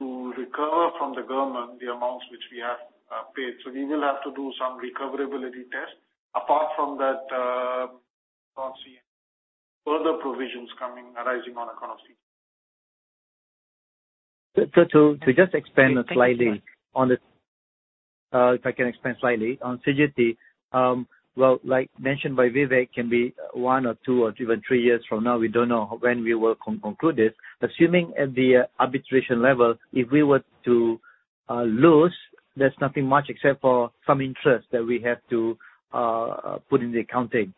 Speaker 4: to recover from the government the amounts which we have paid. We will have to do some recoverability test. Apart from that, I don't see any further provisions coming, arising on account of CGT.
Speaker 2: To just expand slightly on CGT. Like mentioned by Vivek, can be one or two or even three years from now. We don't know when we will conclude this. Assuming at the arbitration level, if we were to lose, there's nothing much except for some interest that we have to put in the accounting.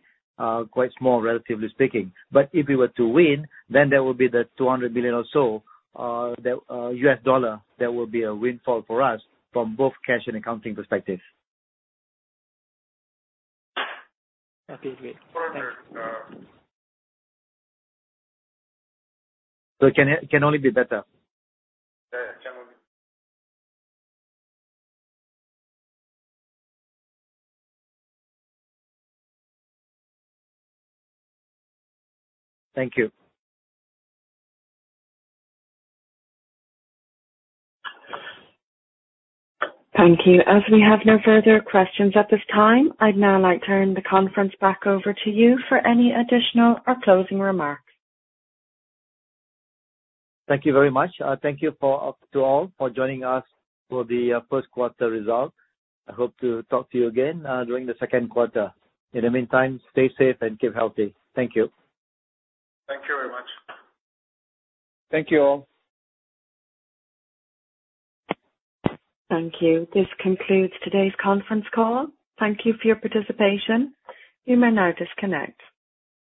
Speaker 2: Quite small, relatively speaking. If we were to win, then there will be the 200 million or so, that will be a windfall for us from both cash and accounting perspective.
Speaker 9: Okay, great. Thanks.
Speaker 4: Further-
Speaker 2: It can only be better.
Speaker 4: Yeah. It can only be.
Speaker 2: Thank you.
Speaker 1: Thank you. As we have no further questions at this time, I'd now like to turn the conference back over to you for any additional or closing remarks.
Speaker 2: Thank you very much. Thank you to all for joining us for the first quarter result. I hope to talk to you again during the second quarter. In the meantime, stay safe and keep healthy. Thank you.
Speaker 4: Thank you very much.
Speaker 6: Thank you all.
Speaker 1: Thank you. This concludes today's conference call. Thank you for your participation. You may now disconnect.